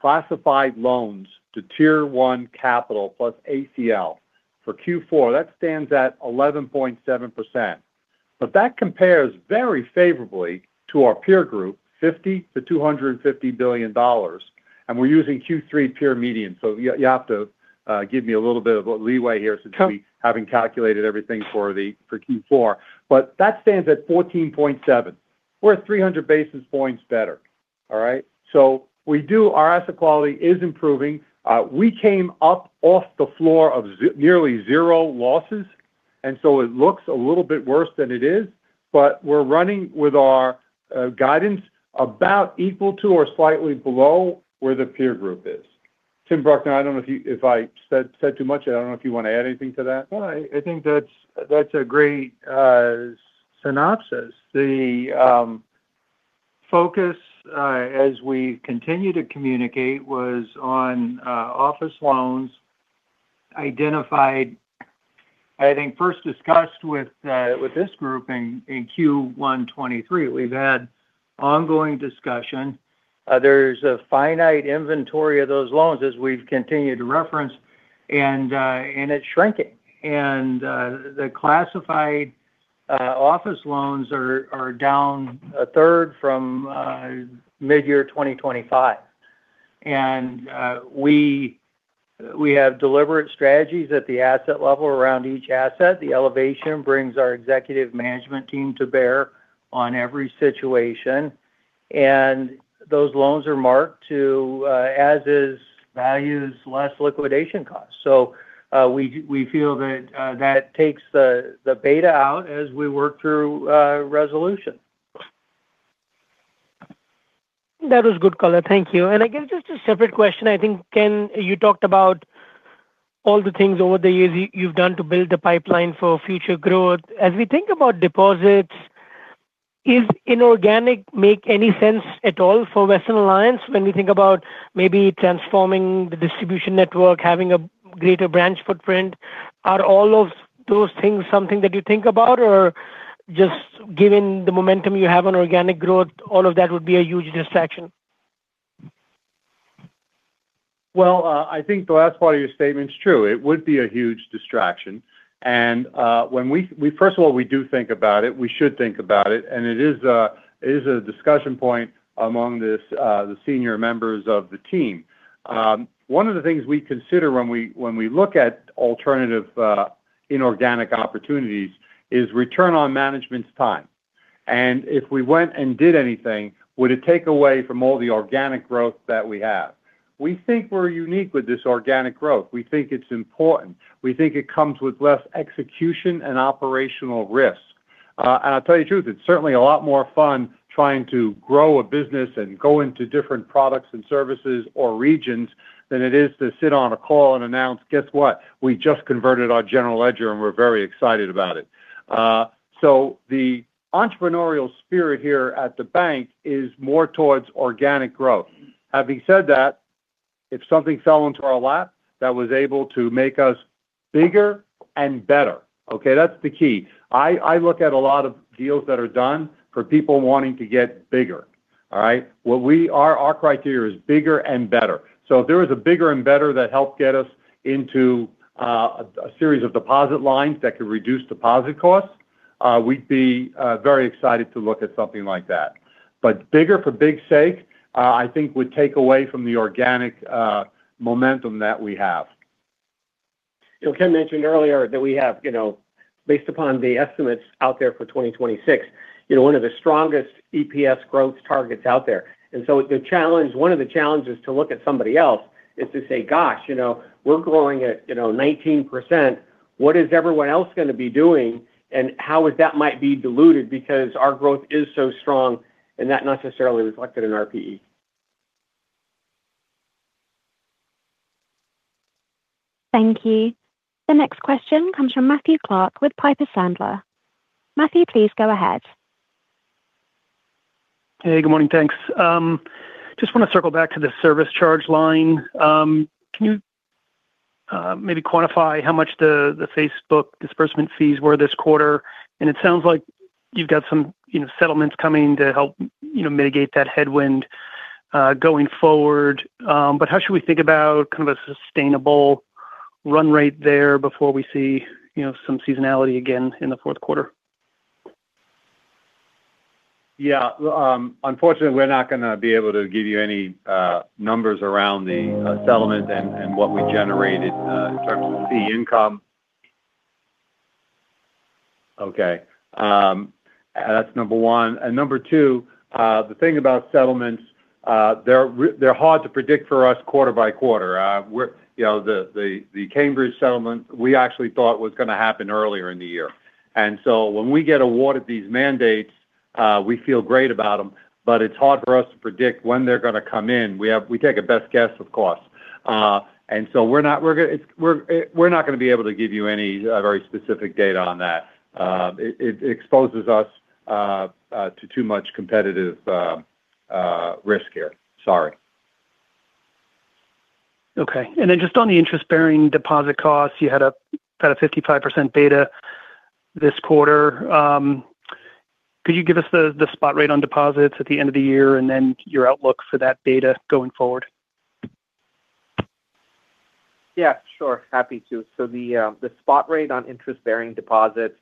classified loans to tier one capital plus ACL for Q4, that stands at 11.7%. That compares very favorably to our peer group, $50 billion-$250 billion. We're using Q3 peer median. You have to give me a little bit of leeway here since we haven't calculated everything for Q4. That stands at 14.7%. We're 300 basis points better, all right? Our asset quality is improving. We came up off the floor of nearly zero losses. It looks a little bit worse than it is. We're running with our guidance about equal to or slightly below where the peer group is. Tim Bruckner, I don't know if I said too much. I don't know if you want to add anything to that. No, I think that's a great synopsis. The focus as we continue to communicate was on office loans identified. I think first discussed with this group in Q1 2023. We've had ongoing discussion. There's a finite inventory of those loans as we've continued to reference. And it's shrinking. And the classified office loans are down a third from mid-year 2025. And we have deliberate strategies at the asset level around each asset. The elevation brings our executive management team to bear on every situation. And those loans are marked to as-is values, less liquidation costs. So we feel that that takes the beta out as we work through resolution. That was good, color. Thank you. And I guess just a separate question. I think, Ken, you talked about all the things over the years you've done to build the pipeline for future growth. As we think about deposits, does inorganic make any sense at all for Western Alliance when we think about maybe transforming the distribution network, having a greater branch footprint? Are all of those things something that you think about? Or just given the momentum you have on organic growth, all of that would be a huge distraction? Well, I think the last part of your statement's true. It would be a huge distraction. And first of all, we do think about it. We should think about it. And it is a discussion point among the senior members of the team. One of the things we consider when we look at alternative inorganic opportunities is return on management's time. And if we went and did anything, would it take away from all the organic growth that we have? We think we're unique with this organic growth. We think it's important. We think it comes with less execution and operational risk. And I'll tell you the truth, it's certainly a lot more fun trying to grow a business and go into different products and services or regions than it is to sit on a call and announce, "Guess what? We just converted our general ledger and we're very excited about it." So the entrepreneurial spirit here at the bank is more towards organic growth. Having said that, if something fell into our lap that was able to make us bigger and better, okay, that's the key. I look at a lot of deals that are done for people wanting to get bigger, all right? Our criteria is bigger and better. If there was a bigger and better that helped get us into a series of deposit lines that could reduce deposit costs, we'd be very excited to look at something like that. But bigger for big's sake, I think would take away from the organic momentum that we have. Ken mentioned earlier that we have, based upon the estimates out there for 2026, one of the strongest EPS growth targets out there. One of the challenges to look at somebody else is to say, "Gosh, we're growing at 19%. What is everyone else going to be doing? And how is that might be diluted because our growth is so strong and not necessarily reflected in our PE?" Thank you. The next question comes from Matthew Clark with Piper Sandler. Matthew, please go ahead. Hey, good morning. Thanks. Just want to circle back to the service charge line. Can you maybe quantify how much the Facebook disbursement fees were this quarter? And it sounds like you've got some settlements coming to help mitigate that headwind going forward. But how should we think about kind of a sustainable run rate there before we see some seasonality again in the fourth quarter? Yeah. Unfortunately, we're not going to be able to give you any numbers around the settlement and what we generated in terms of fee income. Okay. That's number one. And number two, the thing about settlements, they're hard to predict for us quarter by quarter. The Cambridge settlement, we actually thought was going to happen earlier in the year. And so when we get awarded these mandates, we feel great about them. But it's hard for us to predict when they're going to come in. We take a best guess, of course. We're not going to be able to give you any very specific data on that. It exposes us to too much competitive risk here. Sorry. Okay. And then just on the interest-bearing deposit costs, you had a 55% beta this quarter. Could you give us the spot rate on deposits at the end of the year and then your outlook for that beta going forward? Yeah. Sure. Happy to. So the spot rate on interest-bearing deposits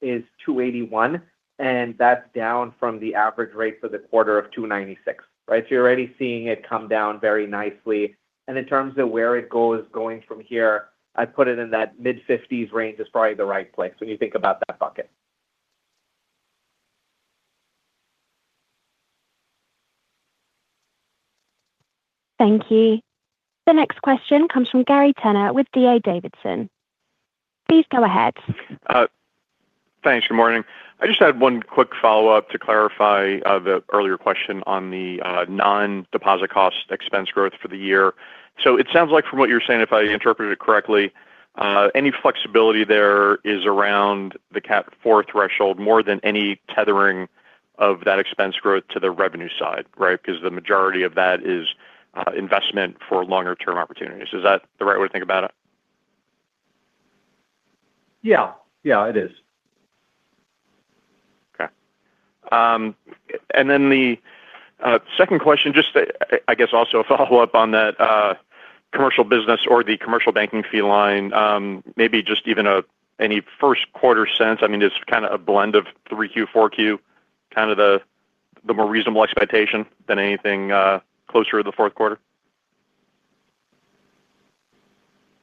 is 281. And that's down from the average rate for the quarter of 296, right? So you're already seeing it come down very nicely. And in terms of where it goes going from here, I'd put it in that mid-50s range is probably the right place when you think about that bucket. Thank you. The next question comes from Gary Tenner with D.A. Davidson. Please go ahead. Thanks. Good morning. I just had one quick follow-up to clarify the earlier question on the non-deposit cost expense growth for the year. So it sounds like from what you're saying, if I interpreted it correctly, any flexibility there is around the Cat 4 threshold more than any tethering of that expense growth to the revenue side, right? Because the majority of that is investment for longer-term opportunities. Is that the right way to think about it? Yeah. Yeah, it is. Okay. And then the second question, just I guess also a follow-up on that commercial business or the commercial banking fee line, maybe just even any first quarter sense. I mean, it's kind of a blend of 3Q, 4Q, kind of the more reasonable expectation than anything closer to the fourth quarter.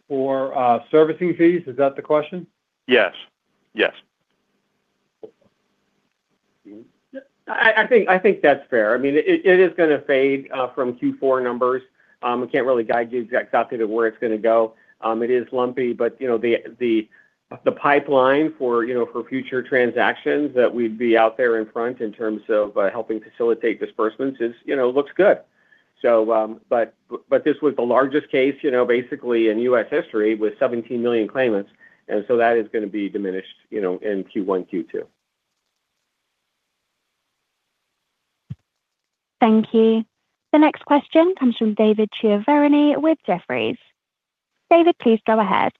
For servicing fees, is that the question? Yes. Yes. I think that's fair. I mean, it is going to fade from Q4 numbers. I can't really guide you exactly to where it's going to go. It is lumpy. But the pipeline for future transactions that we'd be out there in front in terms of helping facilitate disbursements looks good. But this was the largest case basically in U.S. history with 17 million claimants. And so that is going to be diminished in Q1, Q2. Thank you. The next question comes from David Chiaverini with Jefferies. David, please go ahead.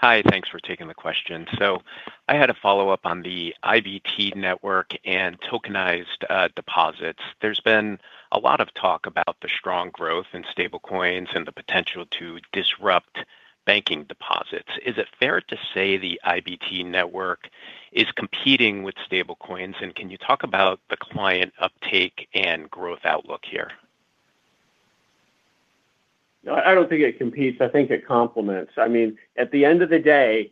Hi. Thanks for taking the question. So I had a follow-up on the IBT network and tokenized deposits. There's been a lot of talk about the strong growth in stablecoins and the potential to disrupt banking deposits. Is it fair to say the IBT network is competing with stablecoins? And can you talk about the client uptake and growth outlook here? I don't think it competes. I think it complements. I mean, at the end of the day,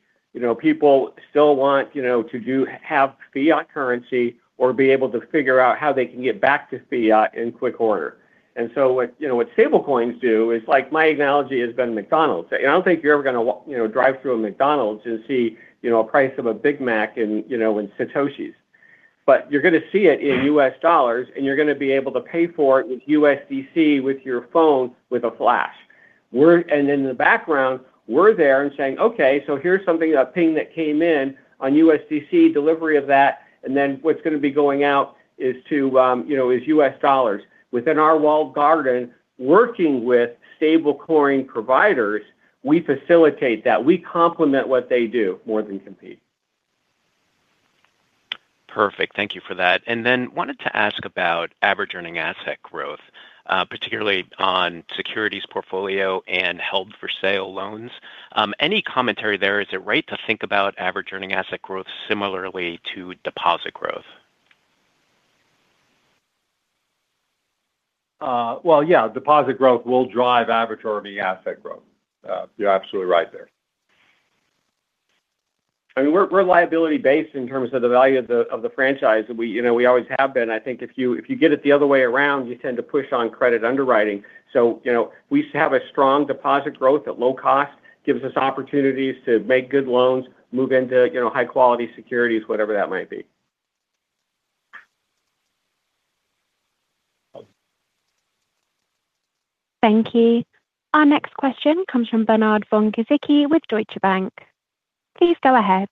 people still want to have fiat currency or be able to figure out how they can get back to fiat in quick order. And so what stablecoins do is like my analogy has been McDonald's. I don't think you're ever going to drive through a McDonald's and see a price of a Big Mac in Satoshis. But you're going to see it in U.S. dollars. And you're going to be able to pay for it with USDC with your phone with a flash. And in the background, we're there and saying, "Okay. So here's something, a ping that came in on USDC delivery of that. And then what's going to be going out is to U.S. dollars." Within our walled garden, working with stablecoin providers, we facilitate that. We complement what they do more than compete. Perfect. Thank you for that. And then wanted to ask about average earning asset growth, particularly on securities portfolio and held-for-sale loans. Any commentary there? Is it right to think about average earning asset growth similarly to deposit growth? Well, yeah. Deposit growth will drive average earning asset growth. You're absolutely right there. I mean, we're liability-based in terms of the value of the franchise that we always have been. I think if you get it the other way around, you tend to push on credit underwriting. So we have a strong deposit growth at low cost, gives us opportunities to make good loans, move into high-quality securities, whatever that might be. Thank you. Our next question comes from Bernard von Gizycki with Deutsche Bank. Please go ahead.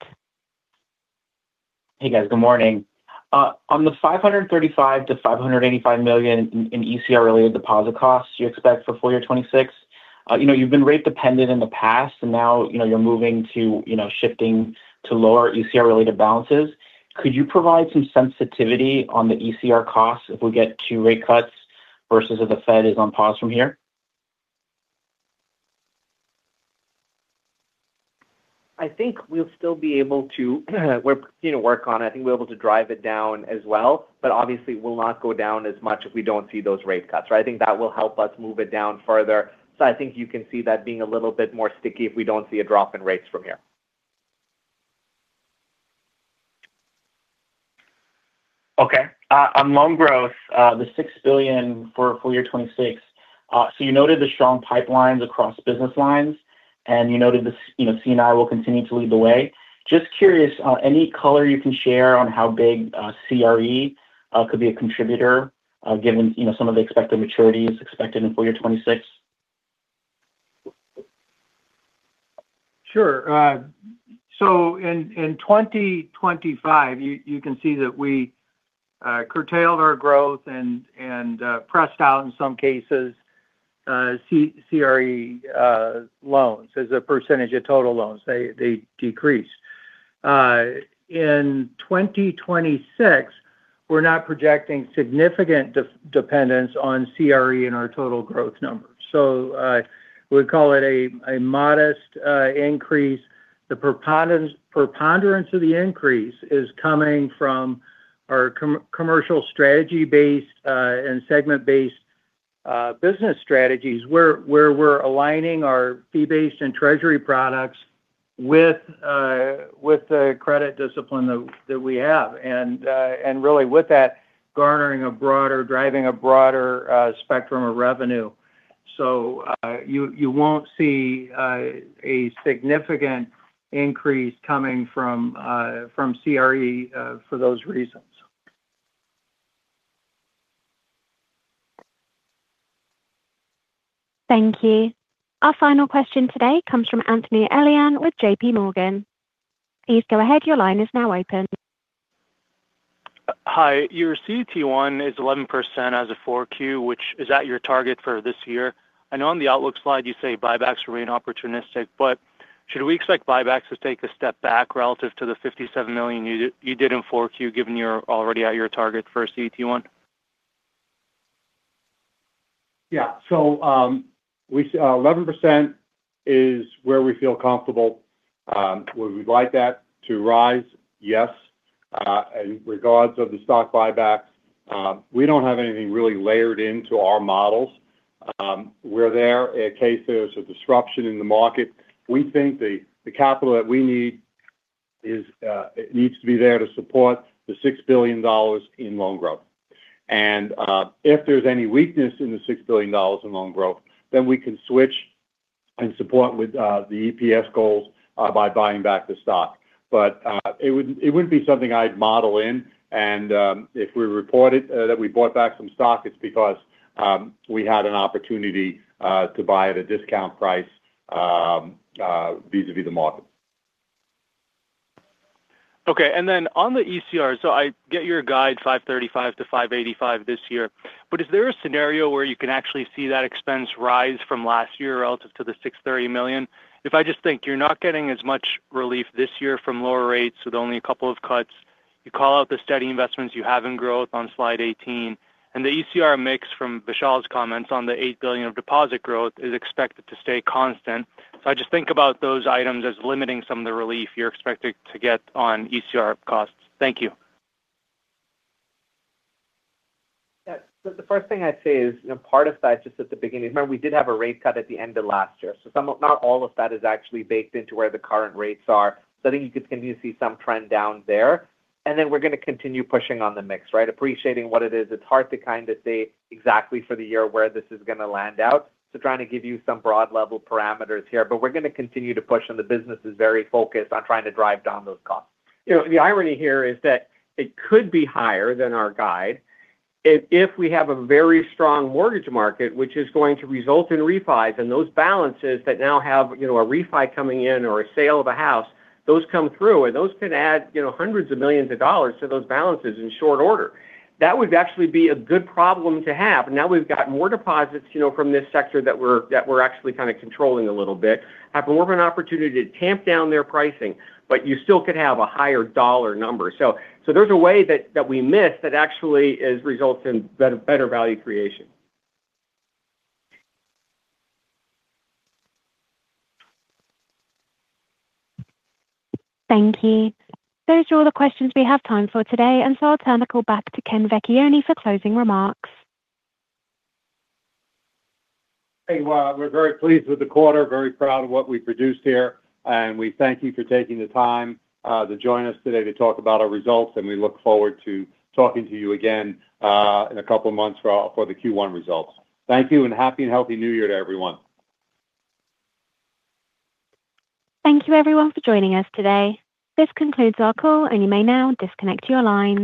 Hey, guys. Good morning. On the $535 million-$585 million in ECR-related deposit costs you expect for full year 2026, you've been rate-dependent in the past. Now you're moving to shifting to lower ECR-related balances. Could you provide some sensitivity on the ECR costs if we get two rate cuts versus if the Fed is on pause from here? I think we'll still be able to, we're continuing to work on it. I think we're able to drive it down as well. But obviously, we'll not go down as much if we don't see those rate cuts, right? I think that will help us move it down further. You can see that being a little bit more sticky if we don't see a drop in rates from here. Okay. On loan growth, the $6 billion for full year 2026, you noted the strong pipelines across business lines. You noted the C&I will continue to lead the way. Just curious, any color you can share on how big CRE could be a contributor given some of the expected maturities expected in full year 2026? Sure. So in 2025, you can see that we curtailed our growth and pressed out, in some cases, CRE loans as a percentage of total loans. They decreased. In 2026, we're not projecting significant dependence on CRE in our total growth numbers. So we'd call it a modest increase. The preponderance of the increase is coming from our commercial strategy-based and segment-based business strategies where we're aligning our fee-based and treasury products with the credit discipline that we have. And really, with that, garnering a broader, driving a broader spectrum of revenue. So you won't see a significant increase coming from CRE for those reasons. Thank you. Our final question today comes from Anthony Elian with J.P. Morgan. Please go ahead. Your line is now open. Hi. Your CET1 is 11% in 4Q, which is at your target for this year. I know on the outlook slide you say buybacks remain opportunistic. But should we expect buybacks to take a step back relative to the $57 million you did in 4Q, given you're already at your target for a CET1? Yeah. So 11% is where we feel comfortable. Would we like that to rise? Yes. In regards of the stock buybacks, we don't have anything really layered into our models. We're there in case there's a disruption in the market. We think the capital that we need needs to be there to support the $6 billion in loan growth. If there's any weakness in the $6 billion in loan growth, then we can switch and support with the EPS goals by buying back the stock. But it wouldn't be something I'd model in. If we reported that we bought back some stock, it's because we had an opportunity to buy at a discount price vis-à-vis the market. Okay. Then on the ECR, so I get your guide $535 million-$585 million this year. But is there a scenario where you can actually see that expense rise from last year relative to the $630 million? If I just think you're not getting as much relief this year from lower rates with only a couple of cuts, you call out the steady investments you have in growth on slide 18. The ECR mix from Vishal's comments on the $8 billion of deposit growth is expected to stay constant. So I just think about those items as limiting some of the relief you're expected to get on ECR costs. Thank you. The first thing I'd say is part of that just at the beginning. Remember, we did have a rate cut at the end of last year. So not all of that is actually baked into where the current rates are. So I think you could continue to see some trend down there. And then we're going to continue pushing on the mix, right? Appreciating what it is, it's hard to kind of say exactly for the year where this is going to land out. So trying to give you some broad-level parameters here. But we're going to continue to push. And the business is very focused on trying to drive down those costs. The irony here is that it could be higher than our guide if we have a very strong mortgage market, which is going to result in refis. And those balances that now have a refi coming in or a sale of a house, those come through. And those can add $hundreds of millions to those balances in short order. That would actually be a good problem to have. Now we've got more deposits from this sector that we're actually kind of controlling a little bit. Have more of an opportunity to tamp down their pricing. But you still could have a higher dollar number. So there's a way that we miss that actually results in better value creation. Thank you. Those are all the questions we have time for today. And so I'll turn the call back to Ken Vecchione for closing remarks. Hey, well, we're very pleased with the quarter. Very proud of what we produced here. We thank you for taking the time to join us today to talk about our results. We look forward to talking to you again in a couple of months for the Q1 results. Thank you. Happy and healthy New Year to everyone. Thank you, everyone, for joining us today. This concludes our call. You may now disconnect your line.